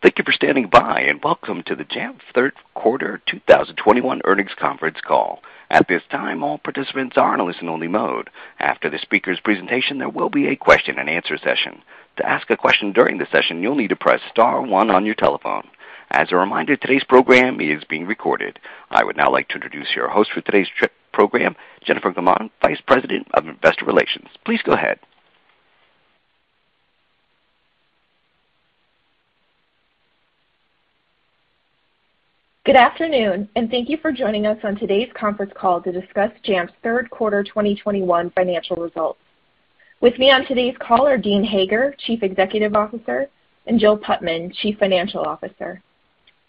Thank you for standing by, and welcome to the Jamf third quarter 2021 earnings conference call. At this time, all participants are in a listen only mode. After the speaker's presentation, there will be a question and answer session. To ask a question during the session, you'll need to press star one on your telephone. As a reminder, today's program is being recorded. I would now like to introduce your host for today's program, Jennifer Gaumond, Vice President of Investor Relations. Please go ahead. Good afternoon, and thank you for joining us on today's conference call to discuss Jamf's third quarter 2021 financial results. With me on today's call are Dean Hager, Chief Executive Officer, and Jill Putman, Chief Financial Officer.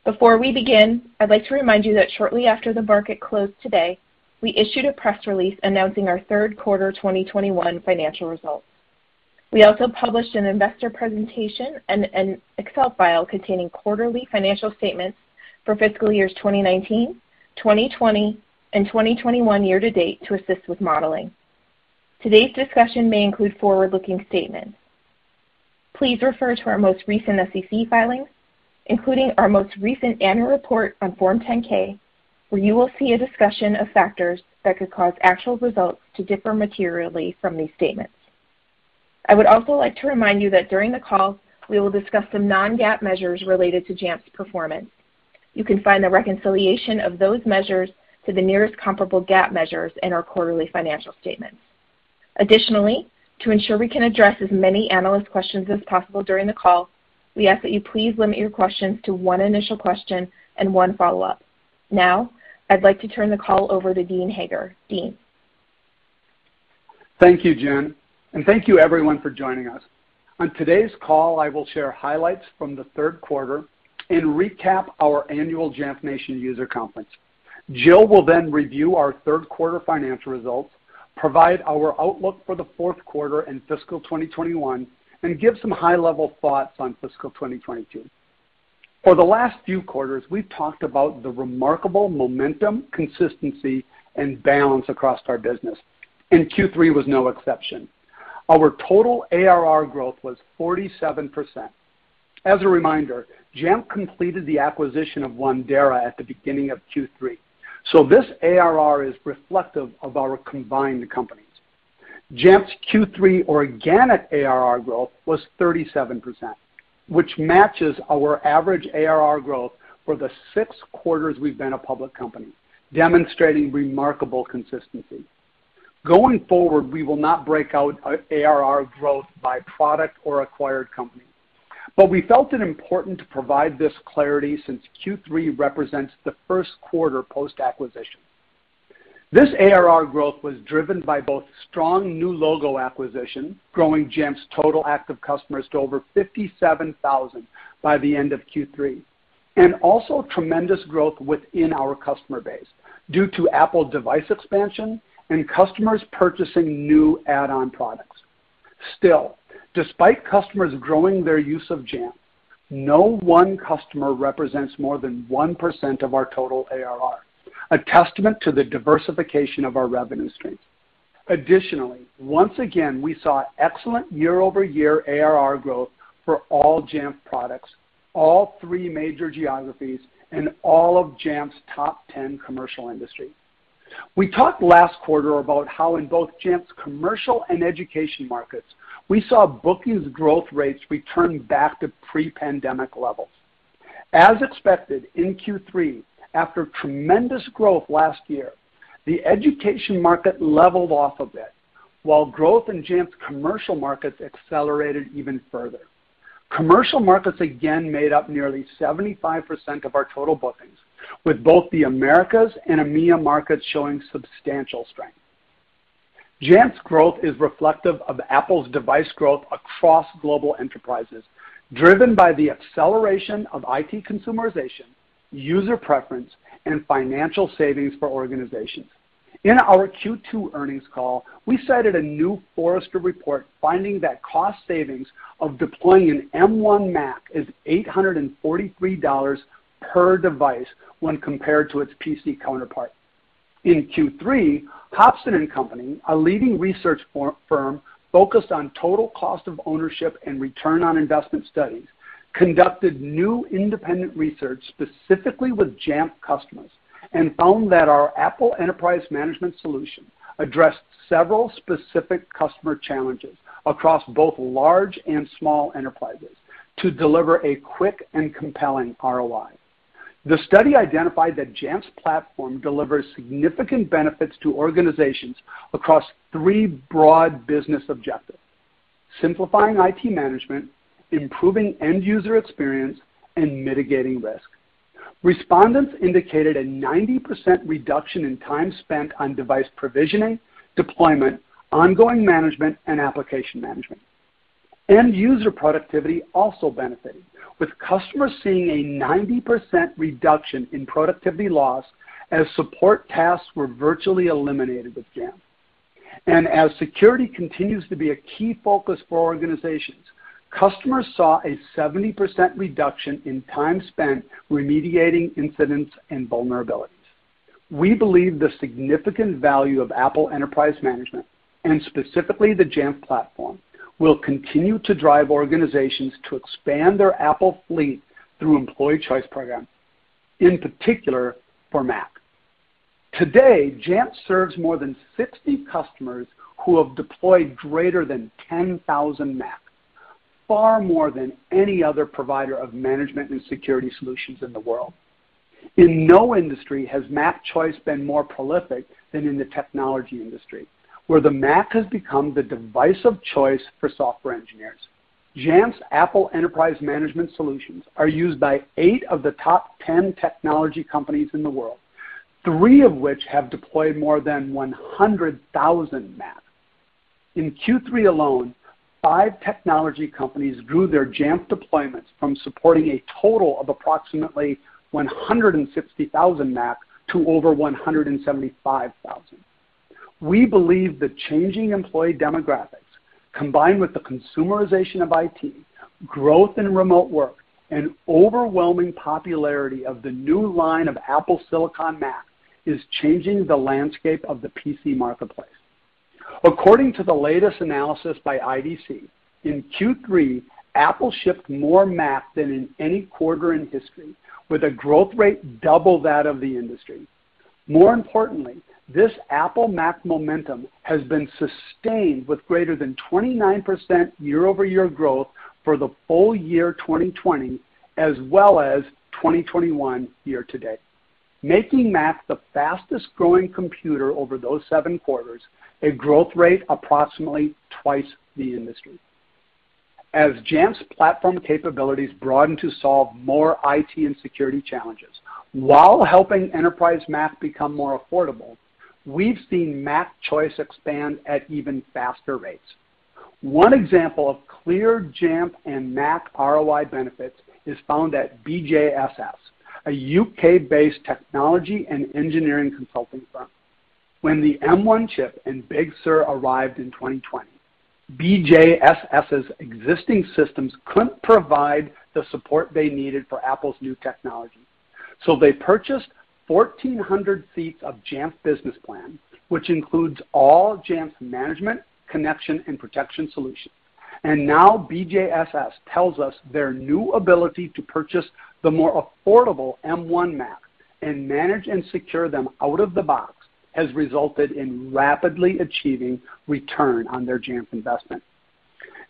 Before we begin, I'd like to remind you that shortly after the market closed today, we issued a press release announcing our third quarter 2021 financial results. We also published an investor presentation and an Excel file containing quarterly financial statements for fiscal years 2019, 2020, and 2021 year to date to assist with modeling. Today's discussion may include forward-looking statements. Please refer to our most recent SEC filings, including our most recent annual report on Form 10-K, where you will see a discussion of factors that could cause actual results to differ materially from these statements. I would also like to remind you that during the call, we will discuss some non-GAAP measures related to Jamf's performance. You can find the reconciliation of those measures to the nearest comparable GAAP measures in our quarterly financial statements. Additionally, to ensure we can address as many analyst questions as possible during the call, we ask that you please limit your questions to one initial question and one follow-up. Now, I'd like to turn the call over to Dean Hager. Dean. Thank you, Jen, and thank you everyone for joining us. On today's call, I will share highlights from the third quarter and recap our annual Jamf Nation User Conference. Jill will then review our third quarter financial results, provide our outlook for the fourth quarter and fiscal 2021, and give some high-level thoughts on fiscal 2022. For the last few quarters, we've talked about the remarkable momentum, consistency, and balance across our business, and Q3 was no exception. Our total ARR growth was 47%. As a reminder, Jamf completed the acquisition of Wandera at the beginning of Q3. So this ARR is reflective of our combined companies. Jamf's Q3 organic ARR growth was 37%, which matches our average ARR growth for the six quarters we've been a public company, demonstrating remarkable consistency. Going forward, we will not break out ARR growth by product or acquired company. We felt it important to provide this clarity since Q3 represents the first quarter post-acquisition. This ARR growth was driven by both strong new logo acquisition, growing Jamf's total active customers to over 57,000 by the end of Q3. Also tremendous growth within our customer base due to Apple device expansion and customers purchasing new add-on products. Still, despite customers growing their use of Jamf, no one customer represents more than 1% of our total ARR, a testament to the diversification of our revenue streams. Additionally, once again, we saw excellent year-over-year ARR growth for all Jamf products, all three major geographies, and all of Jamf's top 10 commercial industries. We talked last quarter about how in both Jamf's commercial and education markets, we saw bookings growth rates return back to pre-pandemic levels. As expected, in Q3, after tremendous growth last year, the education market leveled off a bit while growth in Jamf's commercial markets accelerated even further. Commercial markets again made up nearly 75% of our total bookings, with both the Americas and EMEA markets showing substantial strength. Jamf's growth is reflective of Apple's device growth across global enterprises, driven by the acceleration of IT consumerization, user preference, and financial savings for organizations. In our Q2 earnings call, we cited a new Forrester report finding that cost savings of deploying an M1 Mac is $843 per device when compared to its PC counterpart. In Q3, Hobson & Company, a leading research firm focused on total cost of ownership and return on investment studies, conducted new independent research specifically with Jamf customers and found that our Apple Enterprise Management solution addressed several specific customer challenges across both large and small enterprises to deliver a quick and compelling ROI. The study identified that Jamf's platform delivers significant benefits to organizations across three broad business objectives. Simplifying IT management, improving end user experience, and mitigating risk. Respondents indicated a 90% reduction in time spent on device provisioning, deployment, ongoing management, and application management. End user productivity also benefited, with customers seeing a 90% reduction in productivity loss as support tasks were virtually eliminated with Jamf. As security continues to be a key focus for organizations, customers saw a 70% reduction in time spent remediating incidents and vulnerabilities. We believe the significant value of Apple Enterprise Management, and specifically the Jamf platform, will continue to drive organizations to expand their Apple fleet through employee choice programs, in particular for Mac. Today, Jamf serves more than 60 customers who have deployed greater than 10,000 Macs, far more than any other provider of management and security solutions in the world. In no industry has Mac choice been more prolific than in the technology industry, where the Mac has become the device of choice for software engineers. Jamf's Apple Enterprise Management solutions are used by eight of the top 10 technology companies in the world, three of which have deployed more than 100,000 Macs. In Q3 alone, five technology companies grew their Jamf deployments from supporting a total of approximately 160,000 Macs to over 175,000. We believe the changing employee demographics, combined with the consumerization of IT, growth in remote work, and overwhelming popularity of the new line of Apple silicon Macs, is changing the landscape of the PC marketplace. According to the latest analysis by IDC, in Q3, Apple shipped more Macs than in any quarter in history, with a growth rate double that of the industry. More importantly, this Apple Mac momentum has been sustained with greater than 29% year-over-year growth for the full year 2020 as well as 2021 year to date, making Mac the fastest-growing computer over those seven quarters, a growth rate approximately twice the industry. As Jamf's platform capabilities broaden to solve more IT and security challenges while helping enterprise Mac become more affordable, we've seen Mac choice expand at even faster rates. One example of clear Jamf and Mac ROI benefits is found at BJSS, a U.K.-based technology and engineering consulting firm. When the M1 chip and Big Sur arrived in 2020, BJSS's existing systems couldn't provide the support they needed for Apple's new technology. They purchased 1,400 seats of Jamf Business Plan, which includes all Jamf's management, connection, and protection solutions. Now BJSS tells us their new ability to purchase the more affordable M1 Mac and manage and secure them out of the box has resulted in rapidly achieving return on their Jamf investment.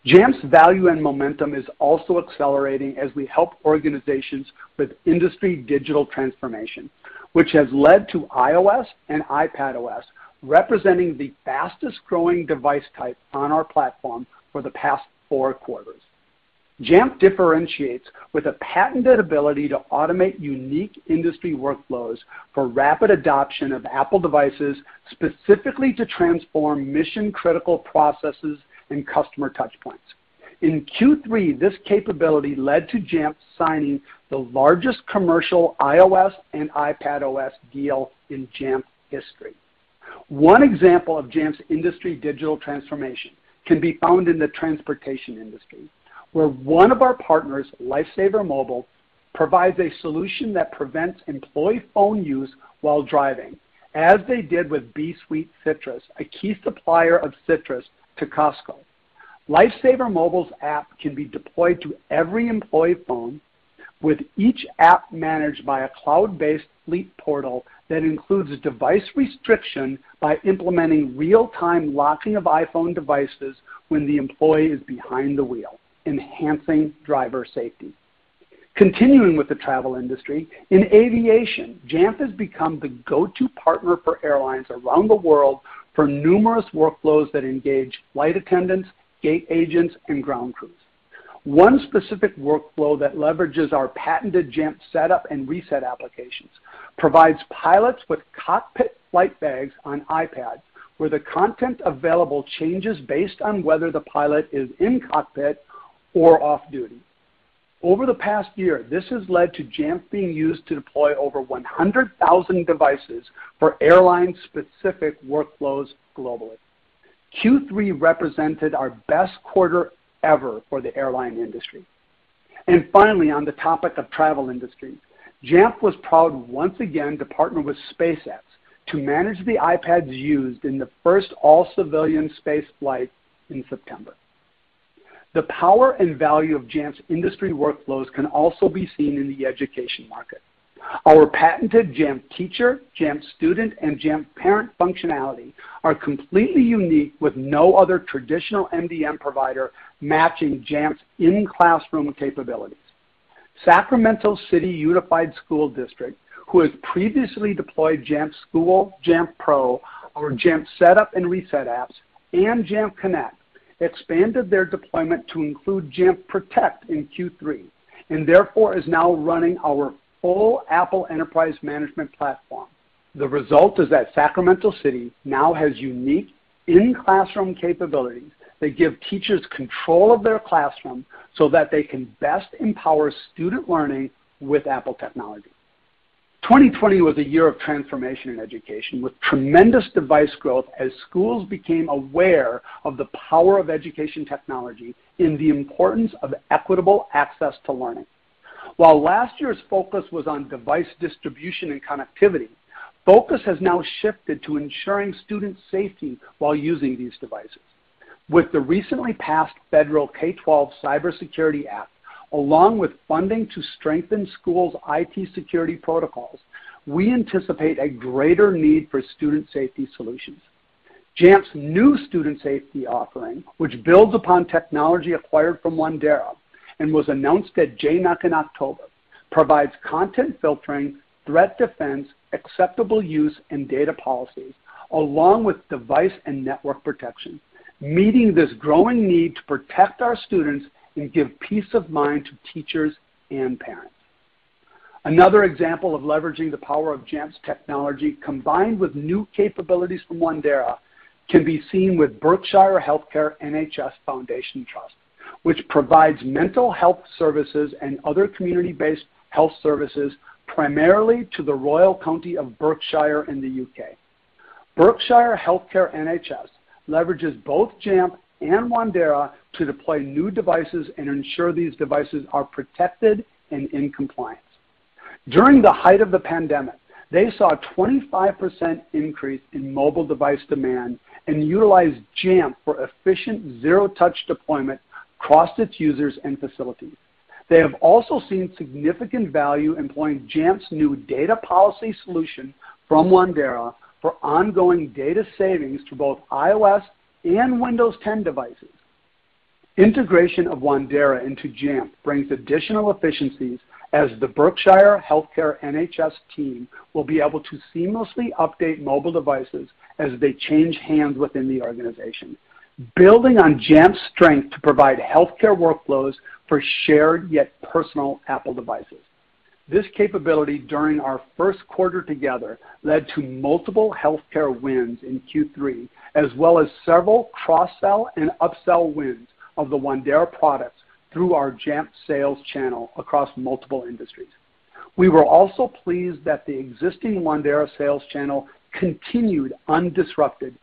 Jamf's value and momentum is also accelerating as we help organizations with industry digital transformation, which has led to iOS and iPadOS representing the fastest-growing device type on our platform for the past four quarters. Jamf differentiates with a patented ability to automate unique industry workflows for rapid adoption of Apple devices, specifically to transform mission-critical processes and customer touch points. In Q3, this capability led to Jamf signing the largest commercial iOS and iPadOS deal in Jamf history. One example of Jamf's industry digital transformation can be found in the transportation industry, where one of our partners, LifeSaver Mobile, provides a solution that prevents employee phone use while driving, as they did with Bee Sweet Citrus, a key supplier of citrus to Costco. LifeSaver Mobile's app can be deployed to every employee phone, with each app managed by a cloud-based fleet portal that includes device restriction by implementing real-time locking of iPhone devices when the employee is behind the wheel, enhancing driver safety. Continuing with the travel industry, in aviation, Jamf has become the go-to partner for airlines around the world for numerous workflows that engage flight attendants, gate agents, and ground crews. One specific workflow that leverages our patented Jamf Setup and Reset applications provides pilots with cockpit flight bags on iPad, where the content available changes based on whether the pilot is in cockpit or off duty. Over the past year, this has led to Jamf being used to deploy over 100,000 devices for airline-specific workflows globally. Q3 represented our best quarter ever for the airline industry. Finally, on the topic of travel industry, Jamf was proud once again to partner with SpaceX to manage the iPads used in the first all-civilian space flight in September. The power and value of Jamf's industry workflows can also be seen in the education market. Our patented Jamf Teacher, Jamf Student, and Jamf Parent functionality are completely unique with no other traditional MDM provider matching Jamf's in-classroom capabilities. Sacramento City Unified School District, who has previously deployed Jamf School, Jamf Pro, our Jamf Setup and Reset apps, and Jamf Connect, expanded their deployment to include Jamf Protect in Q3, and therefore is now running our full Apple enterprise management platform. The result is that Sacramento City now has unique in-classroom capabilities that give teachers control of their classroom so that they can best empower student learning with Apple technology. 2020 was a year of transformation in education, with tremendous device growth as schools became aware of the power of education technology and the importance of equitable access to learning. While last year's focus was on device distribution and connectivity, focus has now shifted to ensuring student safety while using these devices. With the recently passed Federal K-12 Cybersecurity Act, along with funding to strengthen schools' IT security protocols, we anticipate a greater need for student safety solutions. Jamf's new student safety offering, which builds upon technology acquired from Wandera and was announced at JNUC in October, provides content filtering, threat defense, acceptable use, and data policies along with device and network protection, meeting this growing need to protect our students and give peace of mind to teachers and parents. Another example of leveraging the power of Jamf's technology, combined with new capabilities from Wandera, can be seen with Berkshire Healthcare NHS Foundation Trust, which provides mental health services and other community-based health services primarily to the Royal County of Berkshire in the U.K. Berkshire Healthcare NHS leverages both Jamf and Wandera to deploy new devices and ensure these devices are protected and in compliance. During the height of the pandemic, they saw a 25% increase in mobile device demand and utilized Jamf for efficient zero-touch deployment across its users and facilities. They have also seen significant value employing Jamf's new Data Policy solution from Wandera for ongoing data savings to both iOS and Windows 10 devices. Integration of Wandera into Jamf brings additional efficiencies as the Berkshire Healthcare NHS Foundation Trust team will be able to seamlessly update mobile devices as they change hands within the organization, building on Jamf's strength to provide healthcare workflows for shared yet personal Apple devices. This capability during our first quarter together led to multiple healthcare wins in Q3, as well as several cross-sell and upsell wins of the Wandera products through our Jamf sales channel across multiple industries. We were also pleased that the existing Wandera sales channel continued undisrupted,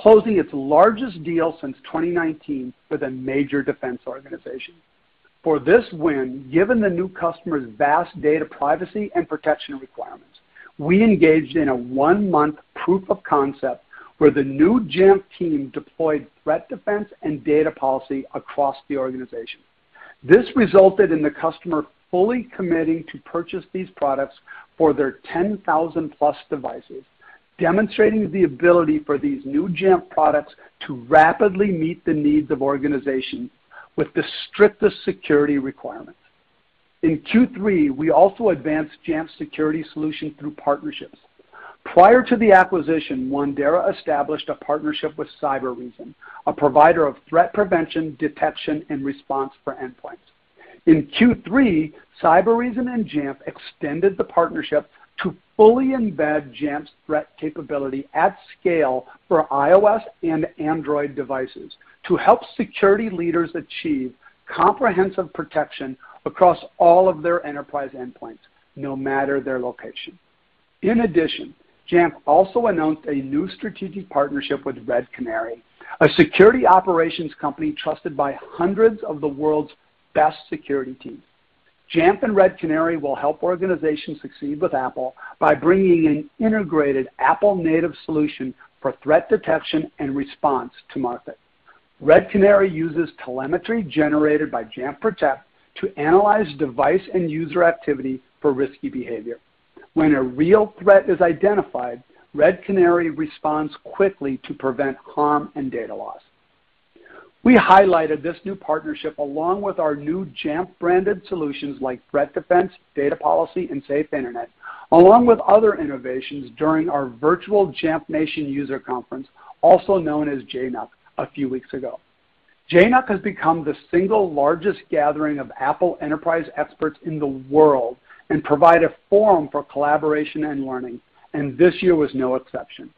closing its largest deal since 2019 with a major defense organization. For this win, given the new customer's vast data privacy and protection requirements, we engaged in a one-month proof of concept where the new Jamf team deployed Threat Defense and Data Policy across the organization. This resulted in the customer fully committing to purchase these products for their 10,000+ devices, demonstrating the ability for these new Jamf products to rapidly meet the needs of organizations with the strictest security requirements. In Q3, we also advanced Jamf's security solution through partnerships. Prior to the acquisition, Wandera established a partnership with Cybereason, a provider of threat prevention, detection, and response for endpoints. In Q3, Cybereason and Jamf extended the partnership to fully embed Jamf's threat capability at scale for iOS and Android devices to help security leaders achieve comprehensive protection across all of their enterprise endpoints, no matter their location. In addition, Jamf also announced a new strategic partnership with Red Canary, a security operations company trusted by hundreds of the world's best security teams. Jamf and Red Canary will help organizations succeed with Apple by bringing an integrated Apple native solution for threat detection and response to market. Red Canary uses telemetry generated by Jamf Protect to analyze device and user activity for risky behavior. When a real threat is identified, Red Canary responds quickly to prevent harm and data loss. We highlighted this new partnership along with our new Jamf-branded solutions like Threat Defense, Data Policy, and Safe Internet, along with other innovations during our virtual Jamf Nation User Conference, also known as JNUC, a few weeks ago. JNUC has become the single largest gathering of Apple enterprise experts in the world and provide a forum for collaboration and learning, and this year was no exception.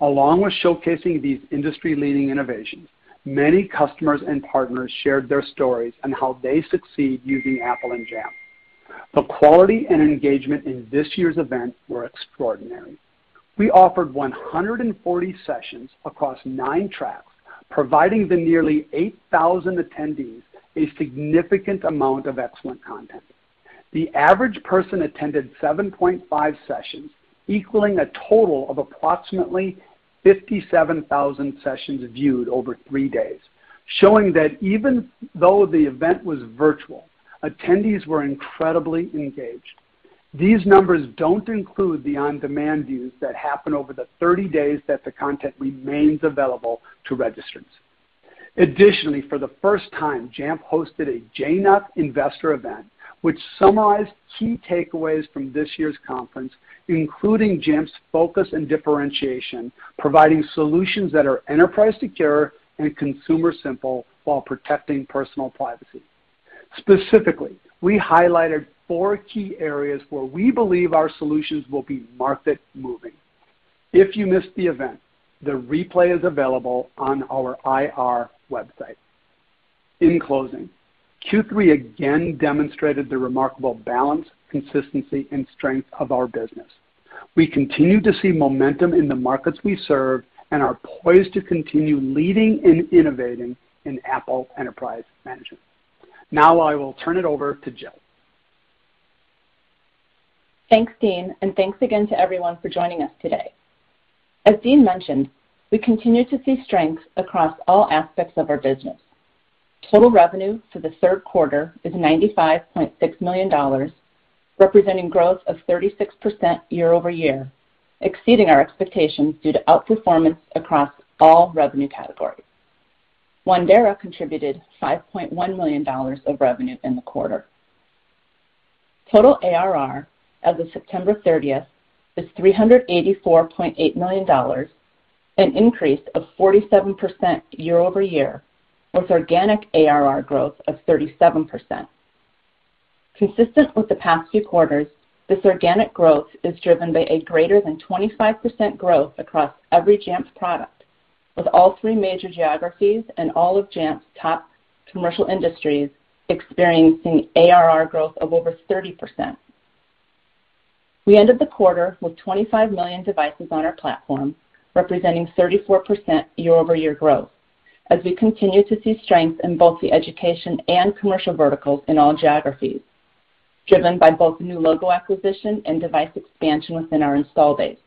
Along with showcasing these industry-leading innovations, many customers and partners shared their stories on how they succeed using Apple and Jamf. The quality and engagement in this year's event were extraordinary. We offered 140 sessions across nine tracks, providing the nearly 8,000 attendees a significant amount of excellent content. The average person attended 7.5 sessions, equaling a total of approximately 57,000 sessions viewed over three days, showing that even though the event was virtual, attendees were incredibly engaged. These numbers don't include the on-demand views that happen over the 30 days that the content remains available to registrants. Additionally, for the first time, Jamf hosted a JNUC investor event, which summarized key takeaways from this year's conference, including Jamf's focus and differentiation, providing solutions that are enterprise secure and consumer simple while protecting personal privacy. Specifically, we highlighted four key areas where we believe our solutions will be market-moving. If you missed the event, the replay is available on our ir website. In closing, Q3 again demonstrated the remarkable balance, consistency, and strength of our business. We continue to see momentum in the markets we serve and are poised to continue leading and innovating in Apple Enterprise Management. Now I will turn it over to Jill. Thanks, Dean, and thanks again to everyone for joining us today. As Dean mentioned, we continue to see strength across all aspects of our business. Total revenue for the third quarter is $95.6 million, representing growth of 36% year-over-year, exceeding our expectations due to outperformance across all revenue categories. Wandera contributed $5.1 million of revenue in the quarter. Total ARR as of September 30 is $384.8 million, an increase of 47% year-over-year, with organic ARR growth of 37%. Consistent with the past few quarters, this organic growth is driven by a greater than 25% growth across every Jamf product, with all three major geographies and all of Jamf's top commercial industries experiencing ARR growth of over 30%. We ended the quarter with 25 million devices on our platform, representing 34% year-over-year growth as we continue to see strength in both the education and commercial verticals in all geographies, driven by both new logo acquisition and device expansion within our install base.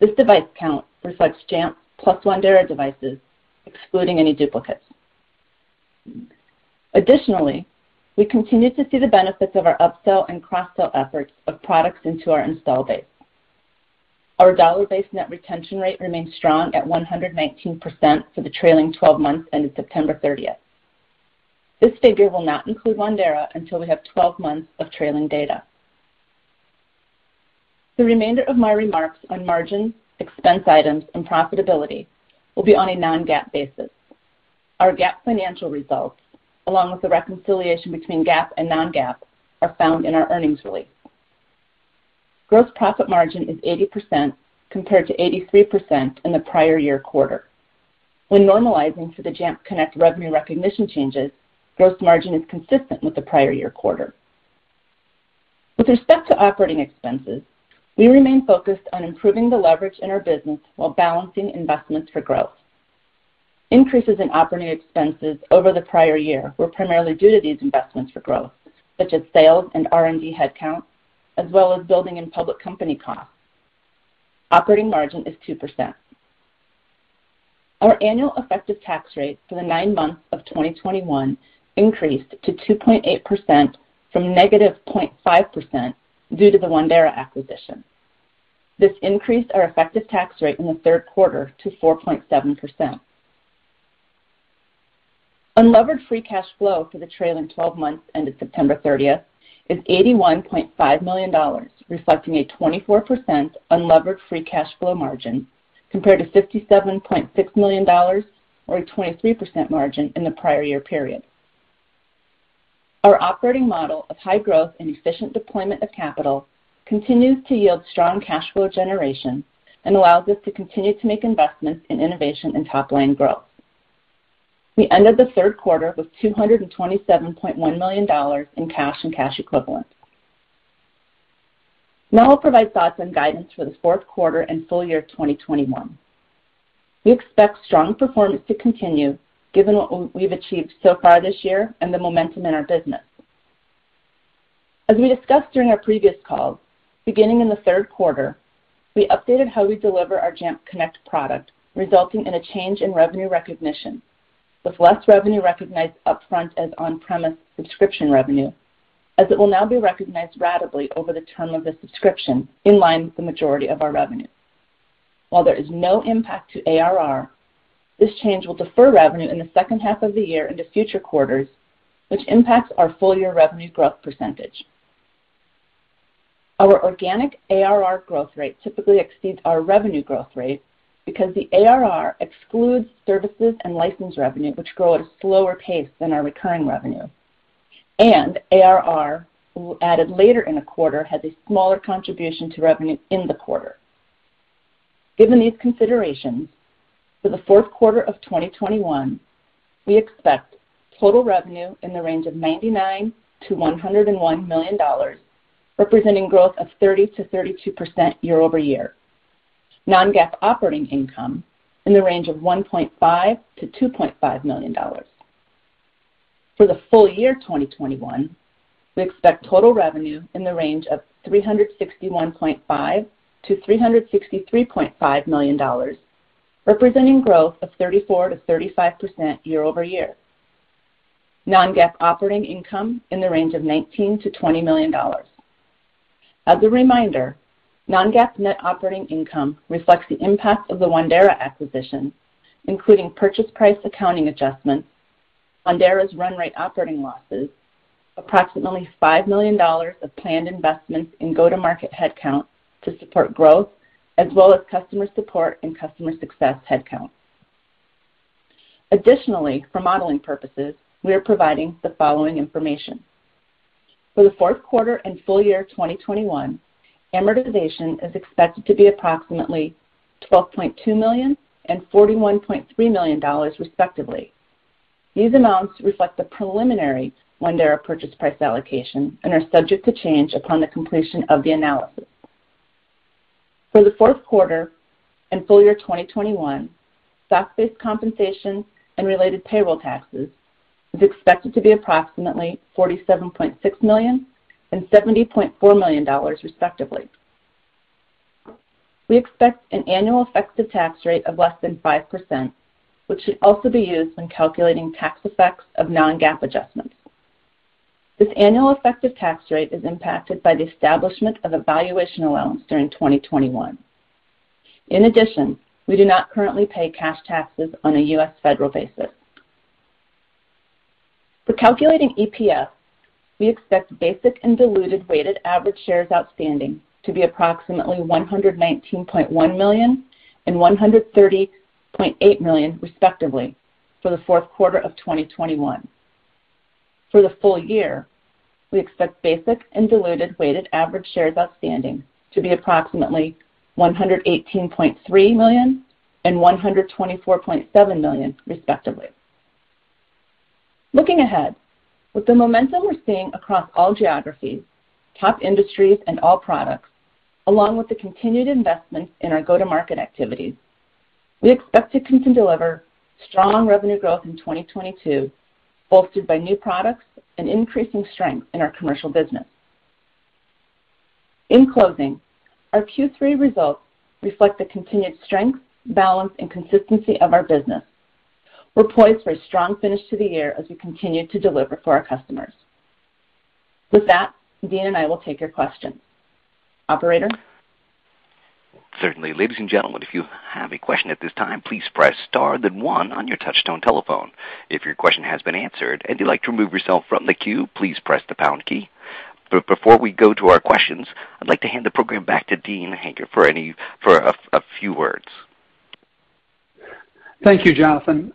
This device count reflects Jamf plus Wandera devices, excluding any duplicates. Additionally, we continue to see the benefits of our upsell and cross-sell efforts of products into our install base. Our dollar-based net retention rate remains strong at 119% for the trailing 12 months ended September 30. This figure will not include Wandera until we have 12 months of trailing data. The remainder of my remarks on margin, expense items, and profitability will be on a non-GAAP basis. Our GAAP financial results, along with the reconciliation between GAAP and non-GAAP, are found in our earnings release. Gross profit margin is 80% compared to 83% in the prior year quarter. When normalizing for the Jamf Connect revenue recognition changes, gross margin is consistent with the prior year quarter. With respect to operating expenses, we remain focused on improving the leverage in our business while balancing investments for growth. Increases in operating expenses over the prior year were primarily due to these investments for growth, such as sales and R&D headcount, as well as building and public company costs. Operating margin is 2%. Our annual effective tax rate for the nine months of 2021 increased to 2.8% from -0.5% due to the Wandera acquisition. This increased our effective tax rate in the third quarter to 4.7%. Unlevered free cash flow for the trailing twelve months ended September 30 is $81.5 million, reflecting a 24% unlevered free cash flow margin compared to $57.6 million or a 23% margin in the prior year period. Our operating model of high growth and efficient deployment of capital continues to yield strong cash flow generation and allows us to continue to make investments in innovation and top line growth. We ended the third quarter with $227.1 million in cash and cash equivalents. Now I'll provide thoughts and guidance for the fourth quarter and full year of 2021. We expect strong performance to continue given what we've achieved so far this year and the momentum in our business. As we discussed during our previous calls, beginning in the third quarter, we updated how we deliver our Jamf Connect product, resulting in a change in revenue recognition, with less revenue recognized upfront as on-premise subscription revenue, as it will now be recognized ratably over the term of the subscription, in line with the majority of our revenue. While there is no impact to ARR, this change will defer revenue in the second half of the year into future quarters, which impacts our full year revenue growth percentage. Our organic ARR growth rate typically exceeds our revenue growth rate because the ARR excludes services and license revenue, which grow at a slower pace than our recurring revenue. ARR added later in a quarter has a smaller contribution to revenue in the quarter. Given these considerations, for the fourth quarter of 2021, we expect total revenue in the range of $99 million-$101 million, representing growth of 30%-32% year-over-year. Non-GAAP operating income in the range of $1.5 million-$2.5 million. For the full year 2021, we expect total revenue in the range of $361.5 million-$363.5 million, representing growth of 34%-35% year-over-year. Non-GAAP operating income in the range of $19 million-$20 million. As a reminder, non-GAAP net operating income reflects the impact of the Wandera acquisition, including purchase price accounting adjustments, Wandera's run rate operating losses, approximately $5 million of planned investments in go-to-market headcount to support growth, as well as customer support and customer success headcount. Additionally, for modeling purposes, we are providing the following information. For the fourth quarter and full year 2021, amortization is expected to be approximately $12.2 million and $41.3 million, respectively. These amounts reflect the preliminary Wandera purchase price allocation and are subject to change upon the completion of the analysis. For the fourth quarter and full year 2021, stock-based compensation and related payroll taxes is expected to be approximately $47.6 million and $70.4 million, respectively. We expect an annual effective tax rate of less than 5%, which should also be used when calculating tax effects of non-GAAP adjustments. This annual effective tax rate is impacted by the establishment of a valuation allowance during 2021. In addition, we do not currently pay cash taxes on a U.S. federal basis. For calculating EPS, we expect basic and diluted weighted average shares outstanding to be approximately $119.1 million and $130.8 million, respectively, for the fourth quarter of 2021. For the full year, we expect basic and diluted weighted average shares outstanding to be approximately $118.3 million and $124.7 million, respectively. Looking ahead, with the momentum we're seeing across all geographies, top industries, and all products, along with the continued investments in our go-to-market activities, we expect to continue to deliver strong revenue growth in 2022, bolstered by new products and increasing strength in our commercial business. In closing, our Q3 results reflect the continued strength, balance, and consistency of our business. We're poised for a strong finish to the year as we continue to deliver for our customers. With that, Dean and I will take your questions. Operator? Certainly. Ladies and gentlemen, if you have a question at this time, please press star then one on your touch tone telephone. If your question has been answered and you'd like to remove yourself from the queue, please press the pound key. Before we go to our questions, I'd like to hand the program back to Dean Hager for a few words. Thank you, Jonathan.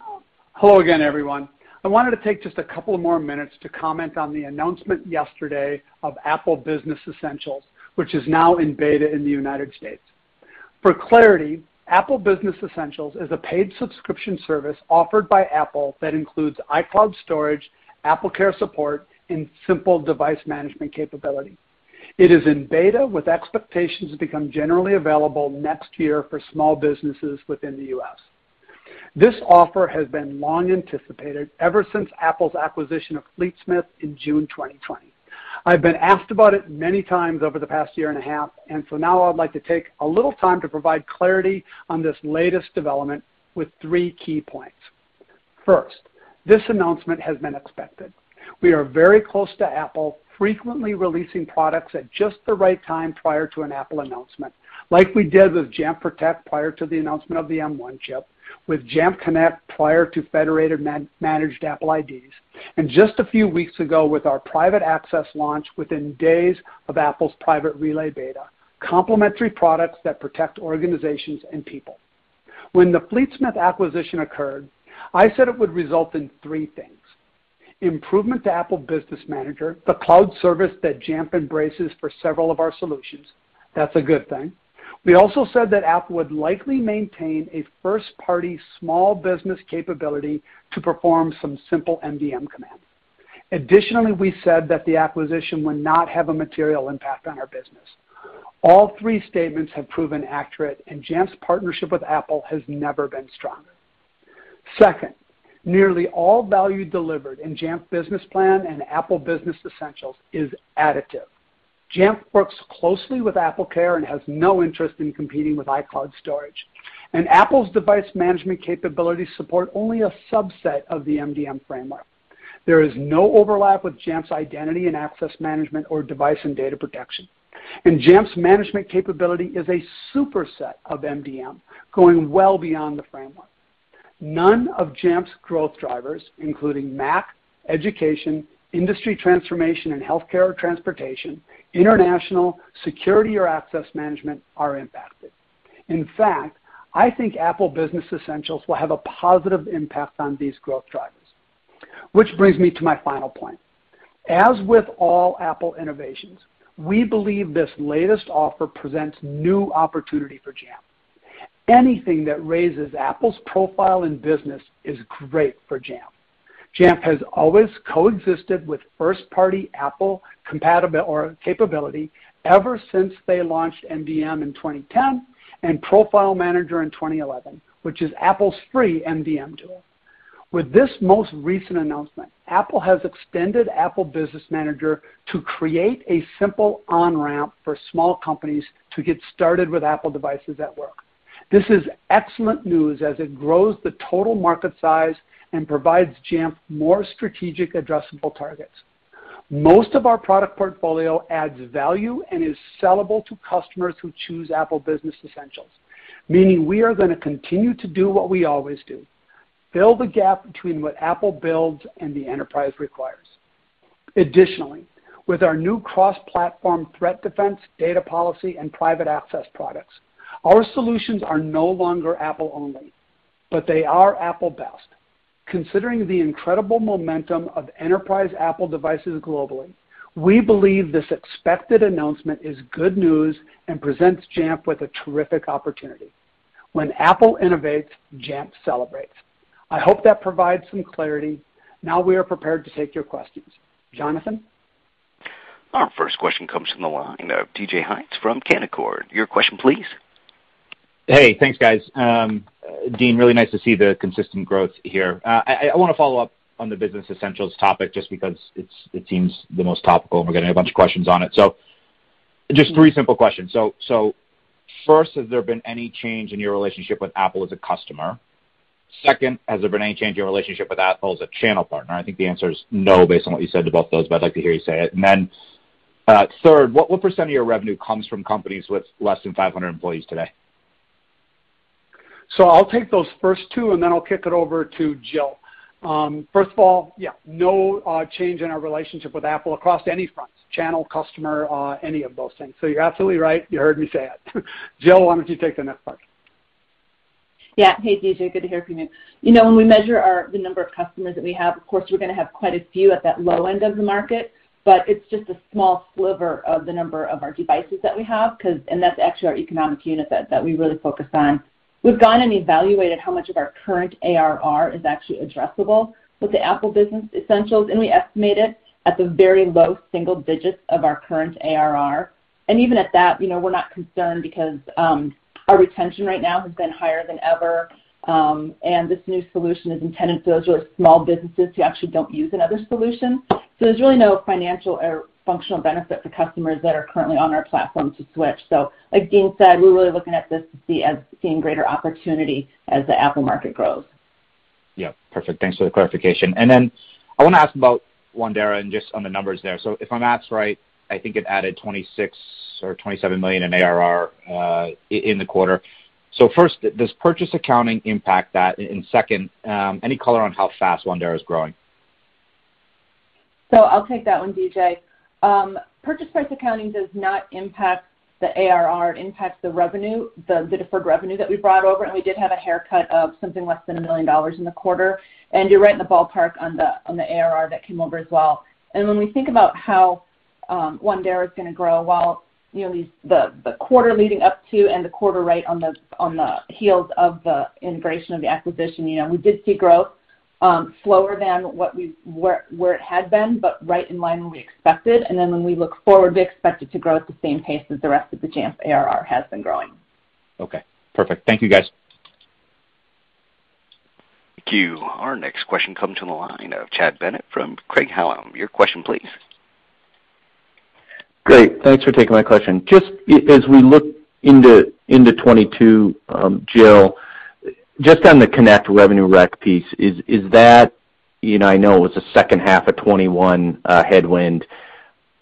Hello again, everyone. I wanted to take just a couple more minutes to comment on the announcement yesterday of Apple Business Essentials, which is now in beta in the United States. For clarity, Apple Business Essentials is a paid subscription service offered by Apple that includes iCloud storage, AppleCare support, and simple device management capability. It is in beta, with expectations to become generally available next year for small businesses within the U.S. This offer has been long anticipated ever since Apple's acquisition of Fleetsmith in June 2020. I've been asked about it many times over the past year and a half, and so now I'd like to take a little time to provide clarity on this latest development with three key points. First, this announcement has been expected. We are very close to Apple, frequently releasing products at just the right time prior to an Apple announcement, like we did with Jamf Protect prior to the announcement of the M1 chip, with Jamf Connect prior to federated managed Apple IDs, and just a few weeks ago with our Private Access launch within days of Apple's Private Relay beta. Complementary products that protect organizations and people. When the Fleetsmith acquisition occurred, I said it would result in three things, improvement to Apple Business Manager, the cloud service that Jamf embraces for several of our solutions. That's a good thing. We also said that Apple would likely maintain a first-party small business capability to perform some simple MDM commands. Additionally, we said that the acquisition would not have a material impact on our business. All three statements have proven accurate, and Jamf's partnership with Apple has never been stronger. Second, nearly all value delivered in Jamf Business Plan and Apple Business Essentials is additive. Jamf works closely with AppleCare and has no interest in competing with iCloud storage. Apple's device management capabilities support only a subset of the MDM framework. There is no overlap with Jamf's identity and access management or device and data protection. Jamf's management capability is a superset of MDM, going well beyond the framework. None of Jamf's growth drivers, including Mac, education, industry transformation in healthcare or transportation, international, security or access management, are impacted. In fact, I think Apple Business Essentials will have a positive impact on these growth drivers. Which brings me to my final point. As with all Apple innovations, we believe this latest offer presents new opportunity for Jamf. Anything that raises Apple's profile in business is great for Jamf. Jamf has always coexisted with first-party Apple capability ever since they launched MDM in 2010 and Profile Manager in 2011, which is Apple's free MDM tool. With this most recent announcement, Apple has extended Apple Business Manager to create a simple on-ramp for small companies to get started with Apple devices at work. This is excellent news as it grows the total market size and provides Jamf more strategic addressable targets. Most of our product portfolio adds value and is sellable to customers who choose Apple Business Essentials, meaning we are gonna continue to do what we always do, fill the gap between what Apple builds and the enterprise requires. Additionally, with our new cross-platform threat defense, data policy, and private access products, our solutions are no longer Apple only, but they are Apple best. Considering the incredible momentum of enterprise Apple devices globally, we believe this expected announcement is good news and presents Jamf with a terrific opportunity. When Apple innovates, Jamf celebrates. I hope that provides some clarity. Now we are prepared to take your questions. Jonathan? Our first question comes from the line of DJ Hynes from Canaccord. Your question please. Hey, thanks, guys. Dean, really nice to see the consistent growth here. I wanna follow up on the Business Essentials topic just because it seems the most topical, and we're getting a bunch of questions on it. Just three simple questions. First, has there been any change in your relationship with Apple as a customer? Second, has there been any change in your relationship with Apple as a channel partner? I think the answer is no based on what you said to both those, but I'd like to hear you say it. Third, what percent of your revenue comes from companies with less than 500 employees today? I'll take those first two, and then I'll kick it over to Jill. First of all, yeah, no, change in our relationship with Apple across any fronts, channel, customer, any of those things. You're absolutely right. You heard me say it. Jill, why don't you take the next part? Yeah. Hey, DJ. Good to hear from you. You know, when we measure the number of customers that we have, of course, we're gonna have quite a few at that low end of the market, but it's just a small sliver of the number of our devices that we have 'cause that's actually our economic unit that we really focus on. We've gone and evaluated how much of our current ARR is actually addressable with the Apple Business Essentials, and we estimate it at the very low single digits of our current ARR. Even at that, you know, we're not concerned because our retention right now has been higher than ever, and this new solution is intended for those who are small businesses who actually don't use another solution. There's really no financial or functional benefit for customers that are currently on our platform to switch. Like Dean said, we're really looking at this to see, as we see, greater opportunity as the Apple market grows. Yeah. Perfect. Thanks for the clarification. I wanna ask about Wandera and just on the numbers there. If my math's right, I think it added $26 million or $27 million in ARR in the quarter. First, does purchase accounting impact that? Second, any color on how fast Wandera is growing? I'll take that one, DJ. Purchase price accounting does not impact the ARR. It impacts the revenue, the deferred revenue that we brought over, and we did have a haircut of something less than $1 million in the quarter. You're right in the ballpark on the ARR that came over as well. When we think about how Wandera is gonna grow, while, you know, the quarter leading up to and the quarter right on the heels of the integration of the acquisition, you know, we did see growth slower than where it had been, but right in line with what we expected. Then when we look forward, we expect it to grow at the same pace as the rest of the Jamf ARR has been growing. Okay. Perfect. Thank you, guys. Thank you. Our next question comes from the line of Chad Bennett from Craig-Hallum. Your question please. Great. Thanks for taking my question. Just as we look into 2022, Jill, just on the Connect revenue rec piece, is that. You know, I know it was a second half of 2021, headwind.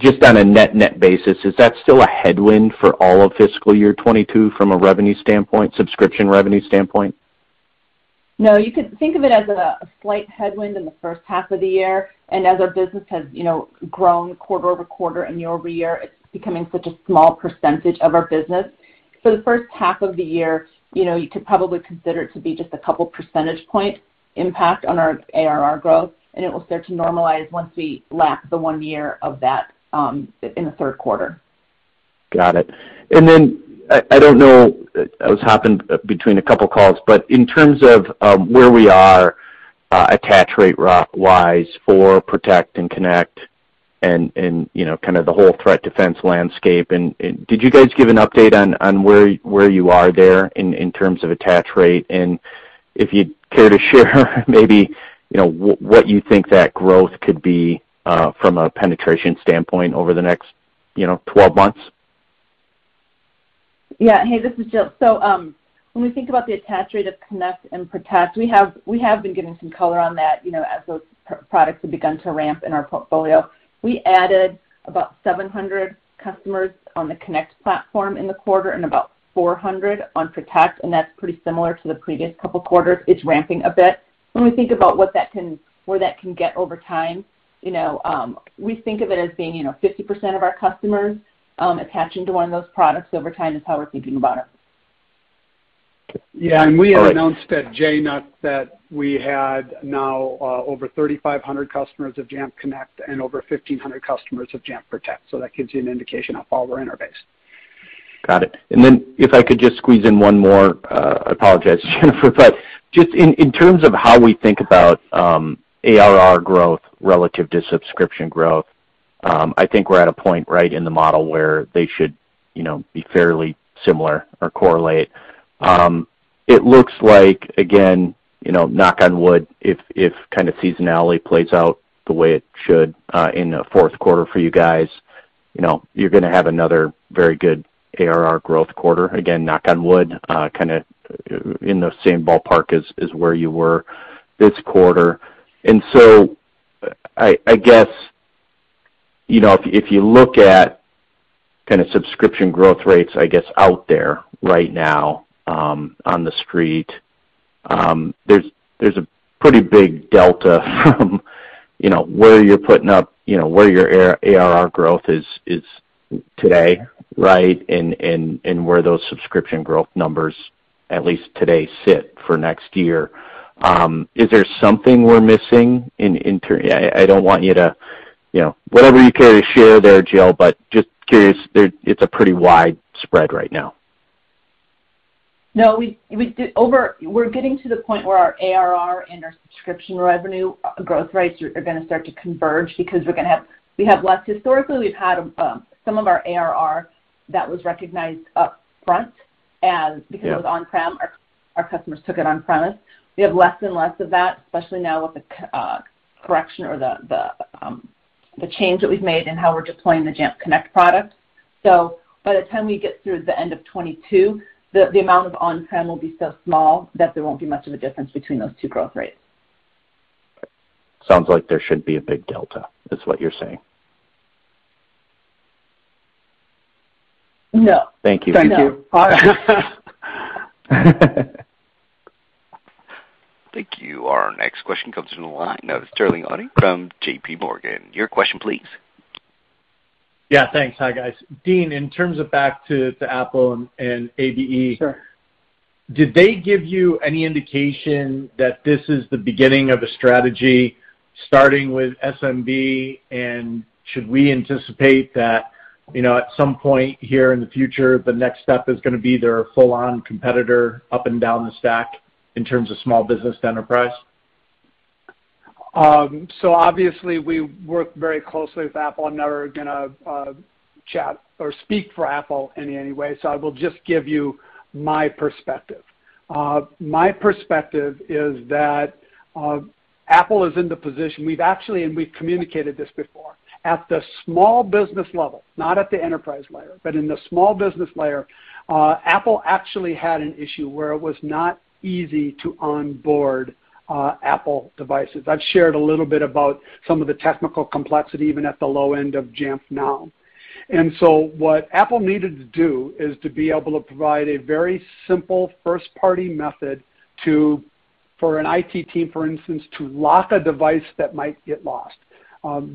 Just on a net-net basis, is that still a headwind for all of fiscal year 2022 from a revenue standpoint, subscription revenue standpoint? No. You could think of it as a slight headwind in the first half of the year. As our business has, you know, grown quarter-over-quarter and year-over-year, it's becoming such a small percentage of our business. The first half of the year, you know, you could probably consider it to be just a couple percentage point impact on our ARR growth, and it will start to normalize once we lap the one year of that in the third quarter. Got it. I don't know, I was hopping between a couple calls, but in terms of where we are, attach rate right now for Protect and Connect and, you know, kind of the whole Threat Defense landscape and did you guys give an update on where you are there in terms of attach rate? If you'd care to share maybe, you know, what you think that growth could be from a penetration standpoint over the next, you know, 12 months. Yeah. Hey, this is Jill. When we think about the attach rate of Connect and Protect, we have been giving some color on that, you know, as those products have begun to ramp in our portfolio. We added about 700 customers on the Connect platform in the quarter and about 400 on Protect, and that's pretty similar to the previous couple quarters. It's ramping a bit. When we think about where that can get over time, you know, we think of it as being, you know, 50% of our customers attaching to one of those products over time is how we're thinking about it. Yeah. We had announced at JNUC that we had now over 3,500 customers of Jamf Connect and over 1,500 customers of Jamf Protect. That gives you an indication of all our interface. Got it. If I could just squeeze in one more, I apologize, Jill. Just in terms of how we think about ARR growth relative to subscription growth, I think we're at a point right in the model where they should, you know, be fairly similar or correlate. It looks like again, you know, knock on wood, if kind of seasonality plays out the way it should, in the fourth quarter for you guys, you know, you're gonna have another very good ARR growth quarter. Again, knock on wood, kinda in the same ballpark as where you were this quarter. I guess, you know, if you look at kind of subscription growth rates, I guess, out there right now, on the street, there's a pretty big delta from, you know, where you're putting up, you know, where your ARR growth is today, right? And where those subscription growth numbers at least today sit for next year. Is there something we're missing? I don't want you to. You know, whatever you care to share there, Jill, but just curious there, it's a pretty wide spread right now. No, we're getting to the point where our ARR and our subscription revenue growth rates are gonna start to converge because we're gonna have less. Historically, we've had some of our ARR that was recognized up front, and Yeah Because it was on-prem, our customers took it on premise. We have less and less of that, especially now with the correction or the change that we've made in how we're deploying the Jamf Connect product. By the time we get through the end of 2022, the amount of on-prem will be so small that there won't be much of a difference between those two growth rates. Sounds like there should be a big delta, is what you're saying. No. Thank you. Thank you. Thank you. Our next question comes from the line of Sterling Auty from JPMorgan. Your question please. Yeah, thanks. Hi, guys. Dean, in terms of back to Apple and Apple Business Essentials Sure Did they give you any indication that this is the beginning of a strategy starting with SMB? And should we anticipate that, you know, at some point here in the future, the next step is gonna be they're a full-on competitor up and down the stack in terms of small business enterprise? Obviously we work very closely with Apple. I'm never gonna chat or speak for Apple in any way, so I will just give you my perspective. My perspective is that Apple is in the position. We've actually, and we've communicated this before, at the small business level, not at the enterprise layer, but in the small business layer, Apple actually had an issue where it was not easy to onboard Apple devices. I've shared a little bit about some of the technical complexity even at the low end of Jamf Now. What Apple needed to do is to be able to provide a very simple first-party method to, for an IT team, for instance, to lock a device that might get lost.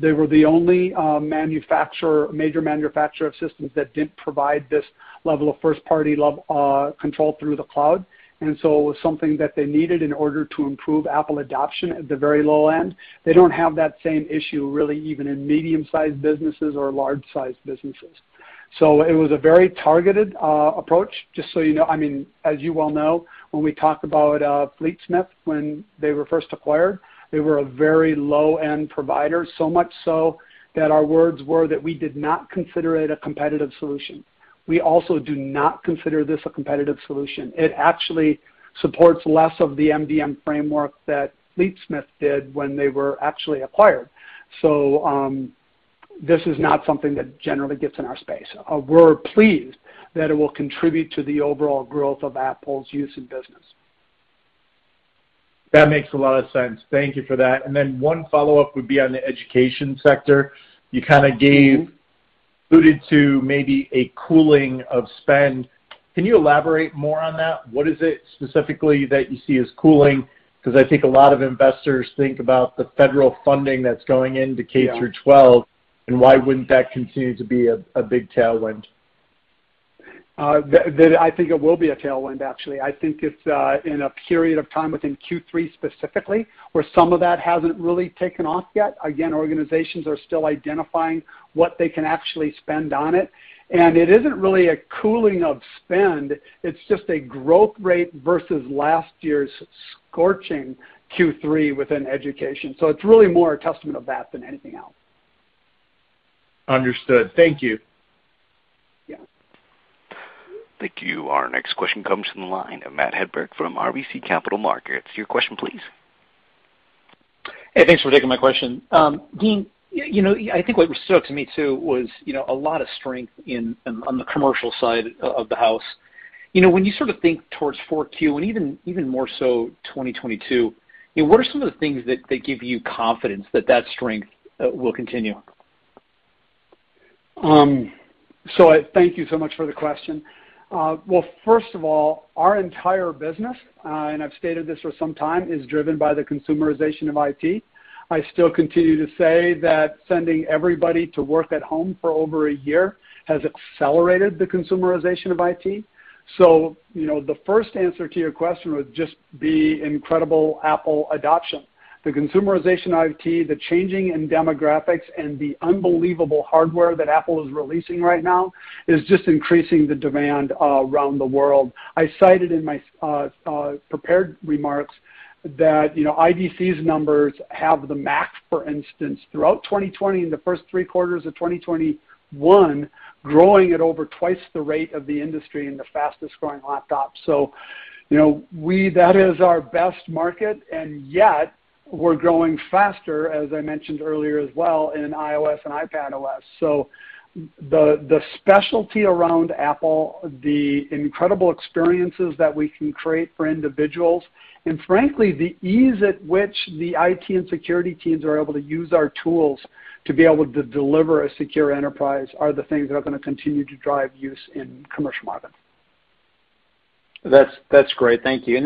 They were the only major manufacturer of systems that didn't provide this level of first-party control through the cloud. It was something that they needed in order to improve Apple adoption at the very low end. They don't have that same issue really even in medium-sized businesses or large-sized businesses. It was a very targeted approach, just so you know. I mean, as you well know, when we talk about Fleetsmith when they were first acquired, they were a very low-end provider, so much so that our words were that we did not consider it a competitive solution. We also do not consider this a competitive solution. It actually supports less of the MDM framework that Fleetsmith did when they were actually acquired. This is not something that generally gets in our space. We're pleased that it will contribute to the overall growth of Apple's use in business. That makes a lot of sense. Thank you for that. One follow-up would be on the education sector. You kind of gave. Mm-hmm Alluded to maybe a cooling of spend. Can you elaborate more on that? What is it specifically that you see as cooling? Because I think a lot of investors think about the federal funding that's going into K-12. Yeah Why wouldn't that continue to be a big tailwind? I think it will be a tailwind actually. I think it's in a period of time within Q3 specifically, where some of that hasn't really taken off yet. Again, organizations are still identifying what they can actually spend on it. It isn't really a cooling of spend, it's just a growth rate versus last year's scorching Q3 within education. It's really more a testament of that than anything else. Understood. Thank you. Yeah. Thank you. Our next question comes from the line of Matt Hedberg from RBC Capital Markets. Your question please. Hey, thanks for taking my question. Dean, you know, I think what stood out to me too was, you know, a lot of strength in on the commercial side of the house. You know, when you sort of think towards 4Q and even more so 2022, you know, what are some of the things that give you confidence that that strength will continue? I thank you so much for the question. Well, first of all, our entire business, and I've stated this for some time, is driven by the consumerization of IT. I still continue to say that sending everybody to work at home for over a year has accelerated the consumerization of IT. You know, the first answer to your question would just be incredible Apple adoption. The consumerization of IT, the changing in demographics, and the unbelievable hardware that Apple is releasing right now is just increasing the demand around the world. I cited in my prepared remarks that, you know, IDC's numbers have the Mac, for instance, throughout 2020 and the first three quarters of 2021, growing at over twice the rate of the industry and the fastest growing laptop. You know, that is our best market, and yet we're growing faster, as I mentioned earlier as well, in iOS and iPadOS. The specialty around Apple, the incredible experiences that we can create for individuals, and frankly, the ease at which the IT and security teams are able to use our tools to be able to deliver a secure enterprise are the things that are gonna continue to drive use in commercial market. That's great. Thank you.